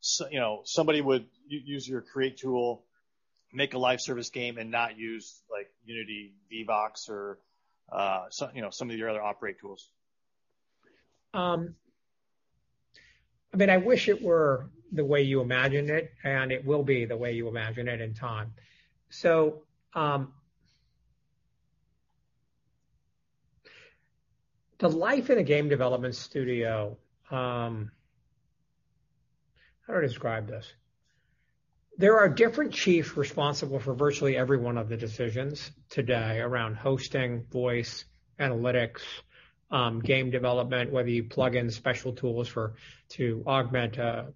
somebody would use your Create Solutions tool, make a live service game, and not use Unity Vivox or some of your other Operate Solutions. I mean, I wish it were the way you imagine it, and it will be the way you imagine it in time. The life in a game development studio, how do I describe this? There are different chiefs responsible for virtually every one of the decisions today around hosting, voice, analytics, game development, whether you plug in special tools to augment a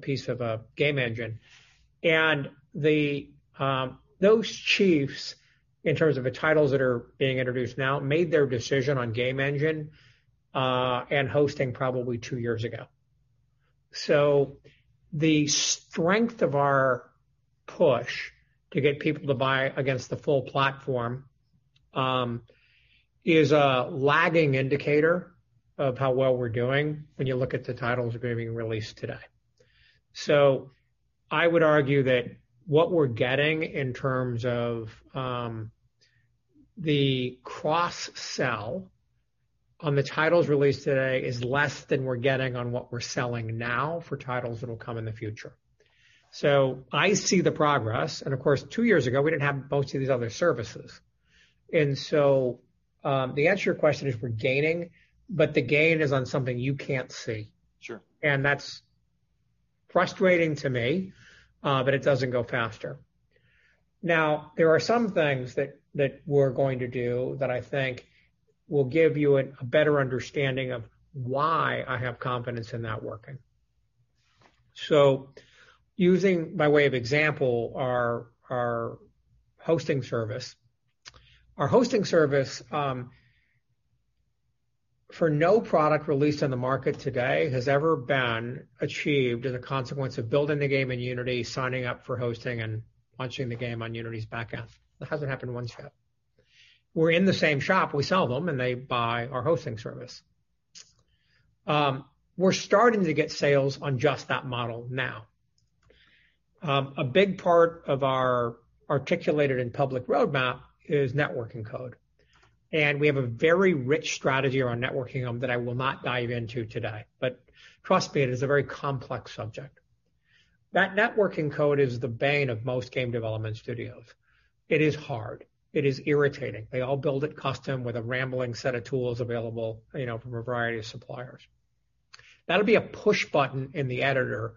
piece of a game engine. Those chiefs, in terms of the titles that are being introduced now, made their decision on game engine, and hosting probably two years ago. The strength of our push to get people to buy against the full platform is a lagging indicator of how well we're doing when you look at the titles that are being released today. I would argue that what we're getting in terms of the cross-sell on the titles released today is less than we're getting on what we're selling now for titles that'll come in the future. I see the progress, and of course, two years ago, we didn't have most of these other services. The answer to your question is we're gaining, but the gain is on something you can't see. Sure. That's frustrating to me, but it doesn't go faster. There are some things that we're going to do that I think will give you a better understanding of why I have confidence in that working. Using, by way of example, our hosting service. Our hosting service, for no product released on the market today, has ever been achieved as a consequence of building the game in Unity, signing up for hosting, and launching the game on Unity's back end. That hasn't happened once yet. We're in the same shop. We sell them, and they buy our hosting service. We're starting to get sales on just that model now. A big part of our articulated and public roadmap is networking code. We have a very rich strategy around networking that I will not dive into today, but trust me, it is a very complex subject. That networking code is the bane of most game development studios. It is hard. It is irritating. They all build it custom with a rambling set of tools available from a variety of suppliers. That'll be a push button in the editor,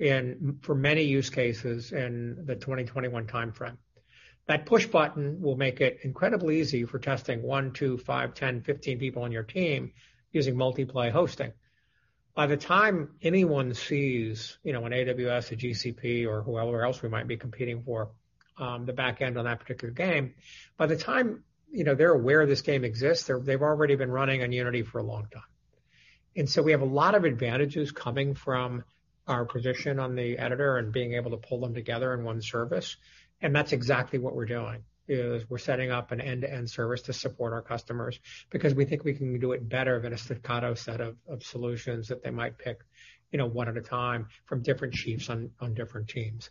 and for many use cases in the 2021 timeframe. That push button will make it incredibly easy for testing one, two, five, 10, 15 people on your team using Multiplay hosting. By the time anyone sees an AWS, a GCP, or whoever else we might be competing for the back end on that particular game. By the time they're aware this game exists, they've already been running on Unity for a long time. We have a lot of advantages coming from our position on the editor and being able to pull them together in one service, and that's exactly what we're doing, is we're setting up an end-to-end service to support our customers because we think we can do it better than a staccato set of solutions that they might pick one at a time from different chiefs on different teams.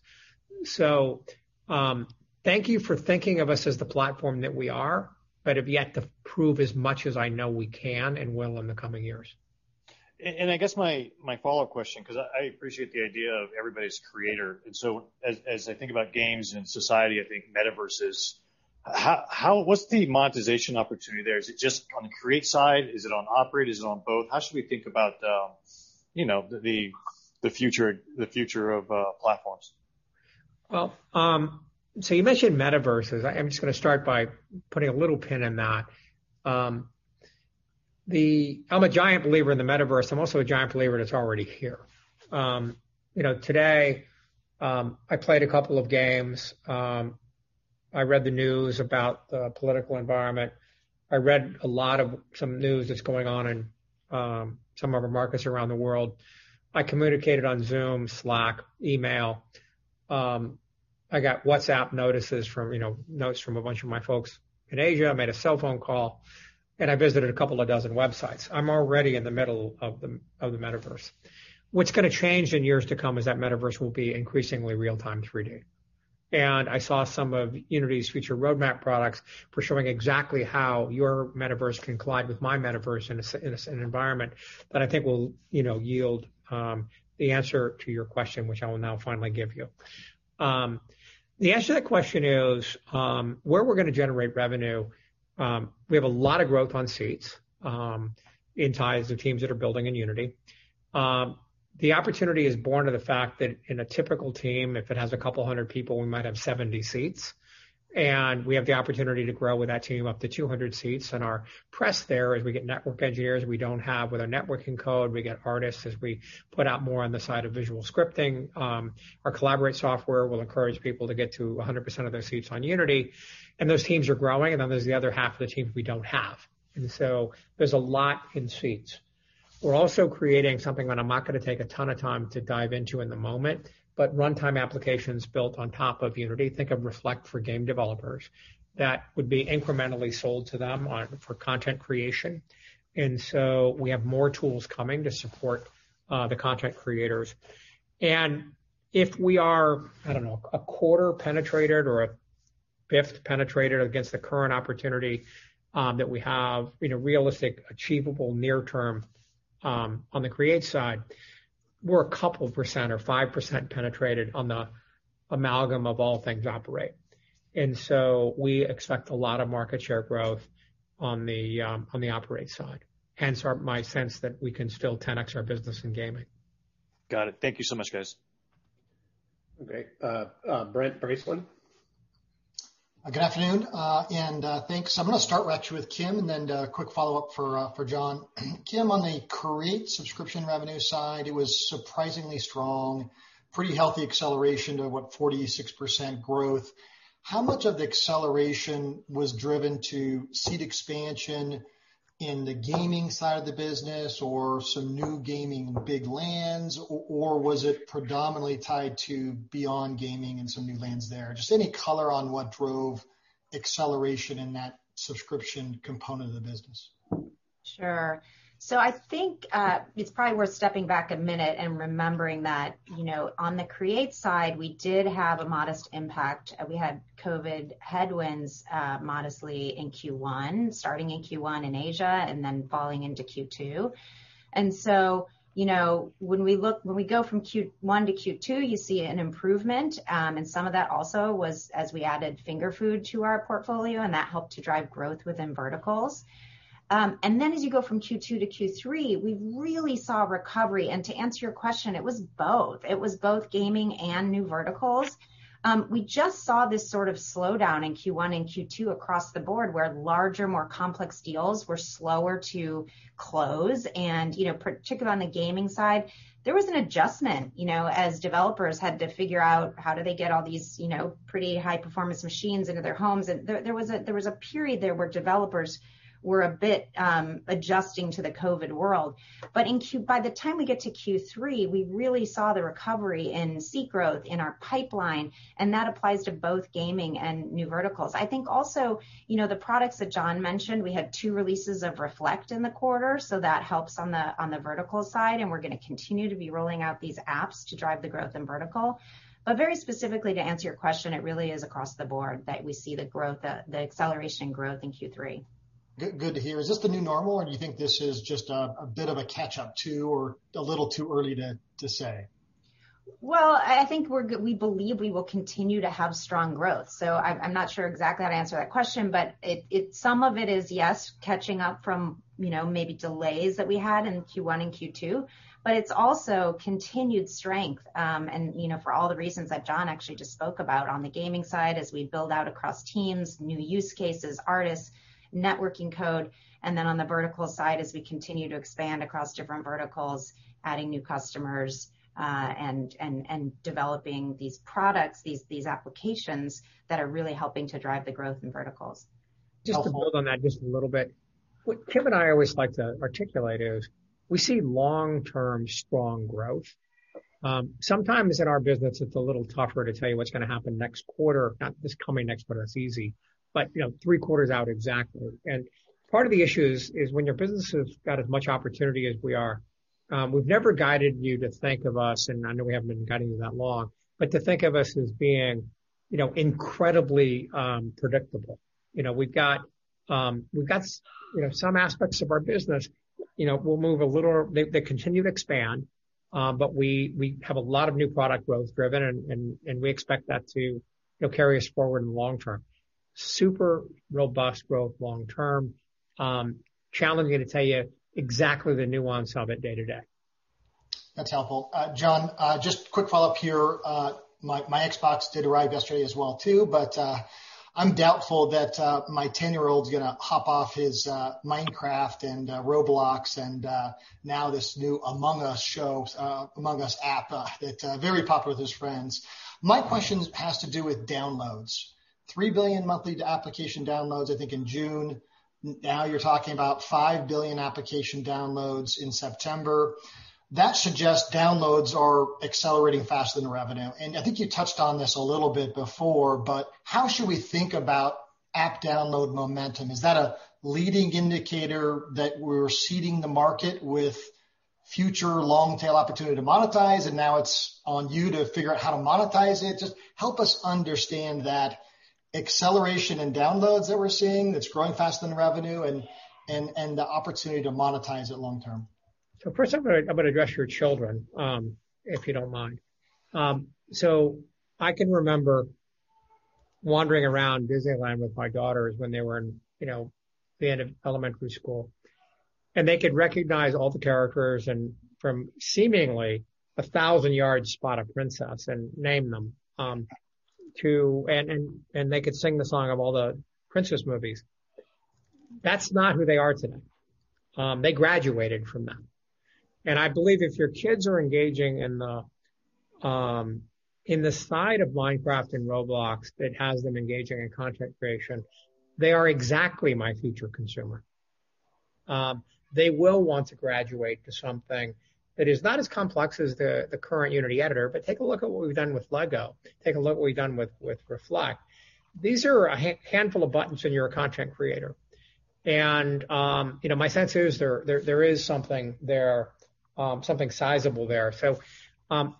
Thank you for thinking of us as the platform that we are, but have yet to prove as much as I know we can and will in the coming years. I guess my follow-up question, because I appreciate the idea of everybody's a creator. As I think about games and society, I think metaverses. What's the monetization opportunity there? Is it just on the Create side? Is it on Operate? Is it on both? How should we think about the future of platforms? Well, you mentioned metaverses. I'm just going to start by putting a little pin in that. I'm a giant believer in the metaverse. I'm also a giant believer that it's already here. Today, I played a couple of games. I read the news about the political environment. I read a lot of some news that's going on in some other markets around the world. I communicated on Zoom, Slack, email. I got WhatsApp notices from notes from a bunch of my folks in Asia. I made a cell phone call, and I visited a couple of dozen websites. I'm already in the middle of the metaverse. What's going to change in years to come is that metaverse will be increasingly real time 3D. I saw some of Unity's future roadmap products for showing exactly how your metaverse can collide with my metaverse in an environment that I think will yield the answer to your question, which I will now finally give you. The answer to that question is, where we're going to generate revenue, we have a lot of growth on seats in ties to teams that are building in Unity. The opportunity is born of the fact that in a typical team, if it has a couple 100 people, we might have 70 seats. We have the opportunity to grow with that team up to 200 seats. Our push there is we get network engineers we don't have with our networking code. We get artists as we put out more on the side of visual scripting. Our collaborate software will encourage people to get to 100% of their seats on Unity. Those teams are growing, then there's the other 1/2 of the teams we don't have. There's a lot in seats. We're also creating something that I'm not going to take a ton of time to dive into in the moment, but runtime applications built on top of Unity. Think of Reflect for game developers. That would be incrementally sold to them for content creation. We have more tools coming to support the content creators. If we are, I don't know, a quarter penetrated or a fifth penetrated against the current opportunity that we have in a realistic, achievable near term on the Create side, we're a couple % or 5% penetrated on the amalgam of all things Operate. We expect a lot of market share growth on the Operate side, hence my sense that we can still 10x our business in gaming. Got it. Thank you so much, guys. Okay. Brent Bracelin. Good afternoon, and thanks. I'm going to start actually with Kim and then a quick follow-up for John. Kim, on the Create subscription revenue side, it was surprisingly strong. Pretty healthy acceleration to what, 46% growth. How much of the acceleration was driven to seat expansion in the gaming side of the business or some new gaming big lands? Was it predominantly tied to beyond gaming and some new lands there? Just any color on what drove acceleration in that subscription component of the business? Sure. I think it's probably worth stepping back a minute and remembering that, on the create side, we did have a modest impact. We had COVID headwinds, modestly in Q1, starting in Q1 in Asia, and then falling into Q2. When we go from Q1 to Q2, you see an improvement, and some of that also was as we added Finger Food to our portfolio, and that helped to drive growth within verticals. As you go from Q2 to Q3, we really saw a recovery. To answer your question, it was both. It was both gaming and new verticals. We just saw this sort of slowdown in Q1 and Q2 across the board where larger, more complex deals were slower to close. Particularly on the gaming side, there was an adjustment, as developers had to figure out how do they get all these pretty high-performance machines into their homes. There was a period there where developers were a bit adjusting to the COVID world. By the time we get to Q3, we really saw the recovery and see growth in our pipeline, and that applies to both gaming and new verticals. I think also, the products that John mentioned, we had two releases of Unity Reflect in the quarter, so that helps on the vertical side, and we're going to continue to be rolling out these apps to drive the growth in vertical. Very specifically, to answer your question, it really is across the board that we see the growth, the acceleration growth in Q3. Good to hear. Is this the new normal, or do you think this is just a bit of a catch-up too, or a little too early to say? I think we believe we will continue to have strong growth. I'm not sure exactly how to answer that question, but some of it is, yes, catching up from maybe delays that we had in Q1 and Q2, but it's also continued strength. For all the reasons that John actually just spoke about on the gaming side as we build out across teams, new use cases, artists, networking code. On the vertical side, as we continue to expand across different verticals, adding new customers, and developing these products, these applications that are really helping to drive the growth in verticals. Helpful. Just to build on that just a little bit. What Kim and I always like to articulate is we see long-term strong growth. Sometimes in our business, it's a little tougher to tell you what's going to happen next quarter. Not this coming next quarter, that's easy, but you know, three quarters out exactly. Part of the issue is when your business has got as much opportunity as we are, we've never guided you to think of us, and I know we haven't been guiding you that long, but to think of us as being incredibly predictable. We've got some aspects of our business, we'll move a little, they continue to expand, but we have a lot of new product growth driven and we expect that to carry us forward in long term. Super robust growth long term. Challenging to tell you exactly the nuance of it day to day. That's helpful. John, just quick follow-up here. My Xbox did arrive yesterday as well too, but I'm doubtful that my 10-year-old's going to hop off his Minecraft and Roblox and now this new Among Us app that's very popular with his friends. My question has to do with downloads. 3 billion monthly application downloads, I think in June. You're talking about 5 billion application downloads in September. That suggests downloads are accelerating faster than the revenue. I think you touched on this a little bit before, but how should we think about app download momentum? Is that a leading indicator that we're seeding the market with future long-tail opportunity to monetize, and now it's on you to figure out how to monetize it? Help us understand that acceleration in downloads that we're seeing that's growing faster than revenue and the opportunity to monetize it long term. First, I'm going to address your children, if you don't mind. I can remember wandering around Disneyland with my daughters when they were in the end of elementary school. They could recognize all the characters and from seemingly 1,000 yards spot a princess and name them. They could sing the song of all the princess movies. That's not who they are today. They graduated from that. I believe if your kids are engaging in the side of Minecraft and Roblox that has them engaging in content creation, they are exactly my future consumer. They will want to graduate to something that is not as complex as the current Unity editor, take a look at what we've done with LEGO. Take a look what we've done with Reflect. These are a handful of buttons and you're a content creator. My sense is there is something there, something sizable there.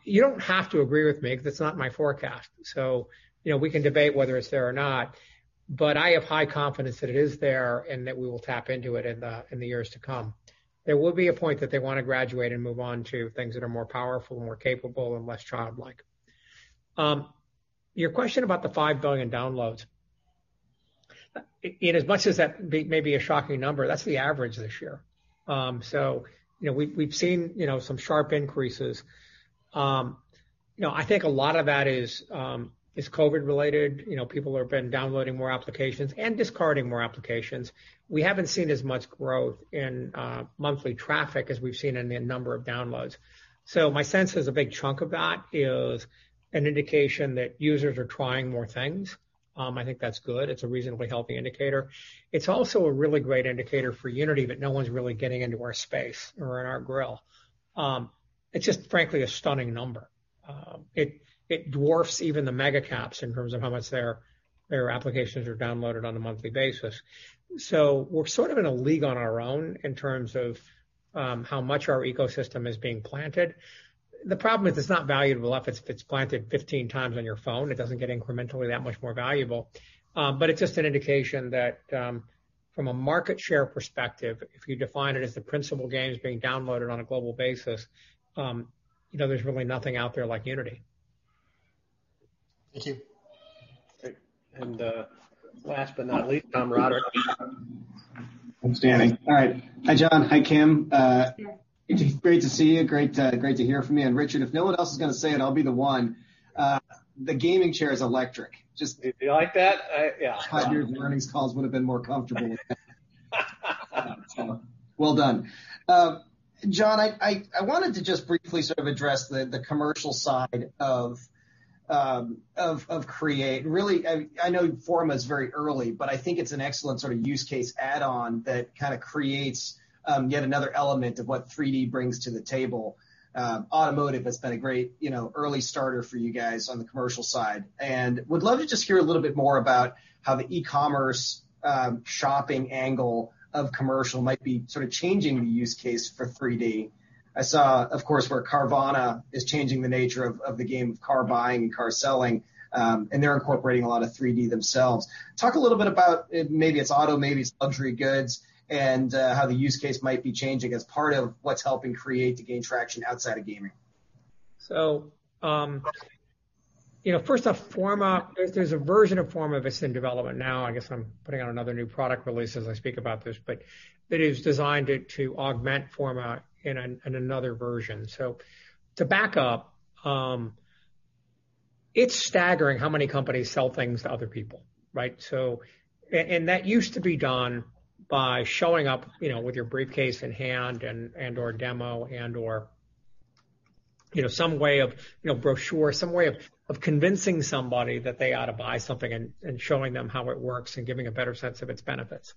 You don't have to agree with me because it's not my forecast, so we can debate whether it's there or not. I have high confidence that it is there and that we will tap into it in the years to come. There will be a point that they want to graduate and move on to things that are more powerful, more capable, and less childlike. Your question about the 5 billion downloads. In as much as that may be a shocking number, that's the average this year. We've seen some sharp increases. I think a lot of that is COVID related. People have been downloading more applications and discarding more applications. We haven't seen as much growth in monthly traffic as we've seen in the number of downloads. My sense is a big chunk of that is an indication that users are trying more things. I think that's good. It's a reasonably healthy indicator. It's also a really great indicator for Unity that no one's really getting into our space or on our grill. It's just frankly a stunning number. It dwarfs even the mega caps in terms of how much their applications are downloaded on a monthly basis. We're sort of in a league on our own in terms of how much our ecosystem is being planted. The problem is it's not valuable if it's planted 15 times on your phone. It doesn't get incrementally that much more valuable. It's just an indication that from a market share perspective, if you define it as the principal games being downloaded on a global basis, there's really nothing out there like Unity. Thank you. Great. Last but not least, Thomas Roderick. Outstanding. All right. Hi, John. Hi, Kim. Hi. Great to see you. Great to hear from you. Richard, if no one else is going to say it, I'll be the one. The gaming chair is electric. You like that? Yeah. God, your earnings calls would've been more comfortable with that. Well done. John, I wanted to just briefly sort of address the commercial side of Create. Really, I know Unity Forma is very early, but I think it's an excellent sort of use case add-on that kind of creates yet another element of what 3D brings to the table. Automotive has been a great early starter for you guys on the commercial side, and would love to just hear a little bit more about how the e-commerce shopping angle of commercial might be sort of changing the use case for 3D. I saw, of course, where Carvana is changing the nature of the game of car buying and car selling. They're incorporating a lot of 3D themselves. Talk a little bit about maybe its auto, maybe its luxury goods, and how the use case might be changing as part of what's helping Create to gain traction outside of gaming. First off, Forma. There's a version of Forma that's in development now. I guess I'm putting out another new product release as I speak about this, but it is designed to augment Forma in another version. To back up, it's staggering how many companies sell things to other people, right? That used to be done by showing up with your briefcase in hand and/or demo and/or some way of brochure, some way of convincing somebody that they ought to buy something and showing them how it works and giving a better sense of its benefits.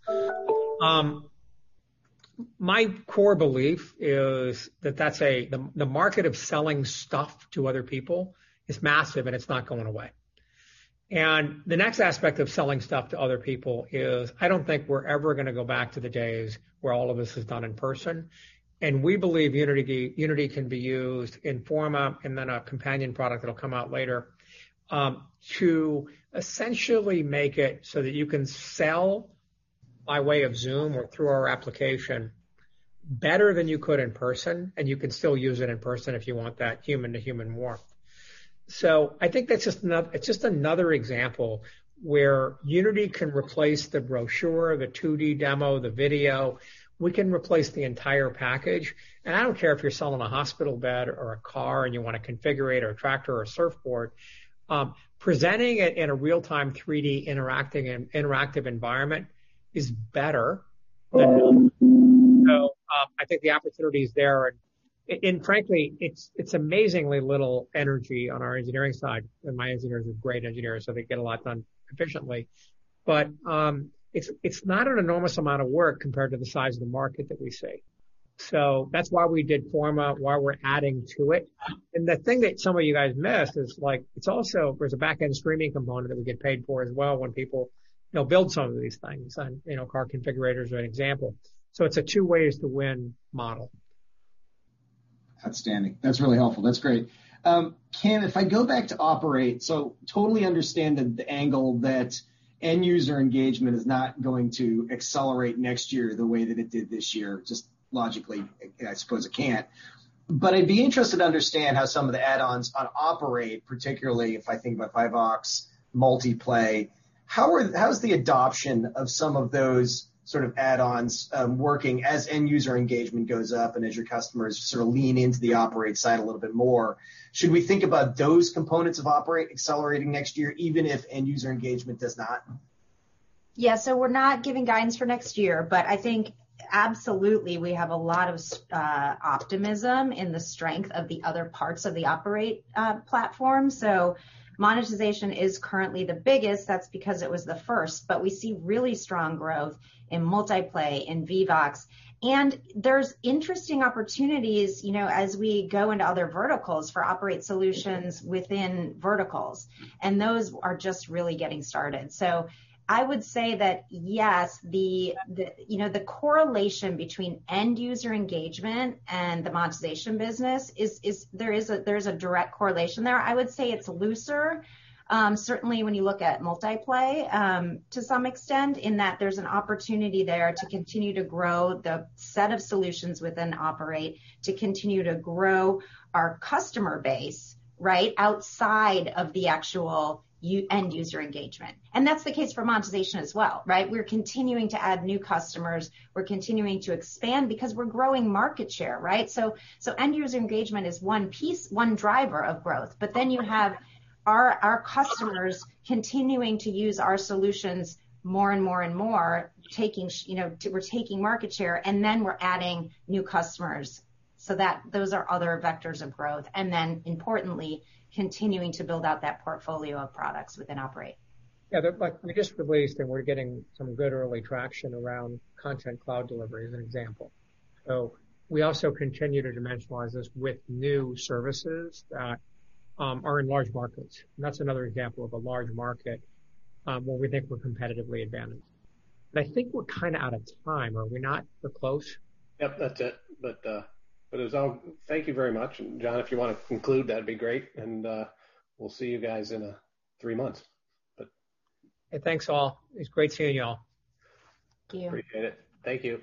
My core belief is that the market of selling stuff to other people is massive, and it's not going away. The next aspect of selling stuff to other people is, I don't think we're ever going to go back to the days where all of this is done in person. We believe Unity can be used in Unity Forma, and then a companion product that'll come out later, to essentially make it so that you can sell by way of Zoom or through our application better than you could in person, and you can still use it in person if you want that human-to-human warmth. I think that's just another example where Unity can replace the brochure, the 2D demo, the video. We can replace the entire package, and I don't care if you're selling a hospital bed or a car and you want to configure a tractor or a surfboard. Presenting it in a real-time 3D interactive environment is better than not. I think the opportunity is there, and frankly, it's amazingly little energy on our engineering side, and my engineers are great engineers, so they get a lot done efficiently. It's not an enormous amount of work compared to the size of the market that we see. That's why we did Forma, why we're adding to it. The thing that some of you guys missed is there's a back-end streaming component that we get paid for as well when people build some of these things. Car configurators are an example. It's a two ways to win model. Outstanding. That's really helpful. That's great. Kim, if I go back to Operate, totally understand the angle that end user engagement is not going to accelerate next year the way that it did this year, just logically, I suppose it can't. I'd be interested to understand how some of the add-ons on Operate, particularly if I think about Vivox, Multiplay. How's the adoption of some of those sort of add-ons working as end user engagement goes up and as your customers sort of lean into the Operate side a little bit more? Should we think about those components of Operate accelerating next year, even if end user engagement does not? Yeah. We're not giving guidance for next year, but I think absolutely we have a lot of optimism in the strength of the other parts of the Operate platform. Monetization is currently the biggest. That's because it was the first, but we see really strong growth in Multiplay, in Vivox, and there's interesting opportunities as we go into other verticals for Operate Solutions within verticals. Those are just really getting started. I would say that yes, the correlation between end user engagement and the monetization business there is a direct correlation there. I would say it's looser. Certainly, when you look at Multiplay, to some extent, in that there's an opportunity there to continue to grow the set of solutions within Operate, to continue to grow our customer base, right outside of the actual end user engagement. That's the case for monetization as well. We're continuing to add new customers. We're continuing to expand because we're growing market share. End user engagement is one piece, one driver of growth. You have our customers continuing to use our solutions more and more and more. We're taking market share, and then we're adding new customers. Those are other vectors of growth. Importantly, continuing to build out that portfolio of products within Operate. Yeah. We just released, and we're getting some good early traction around Cloud Content Delivery as an example. We also continue to dimensionalize this with new services that are in large markets. That's another example of a large market where we think we're competitively advantaged. I think we're kind of out of time. Are we not close? Yep. That's it. Thank you very much. John, if you want to conclude, that'd be great. We'll see you guys in three months. Hey, thanks all. It's great seeing you all. Thank you. Appreciate it. Thank you.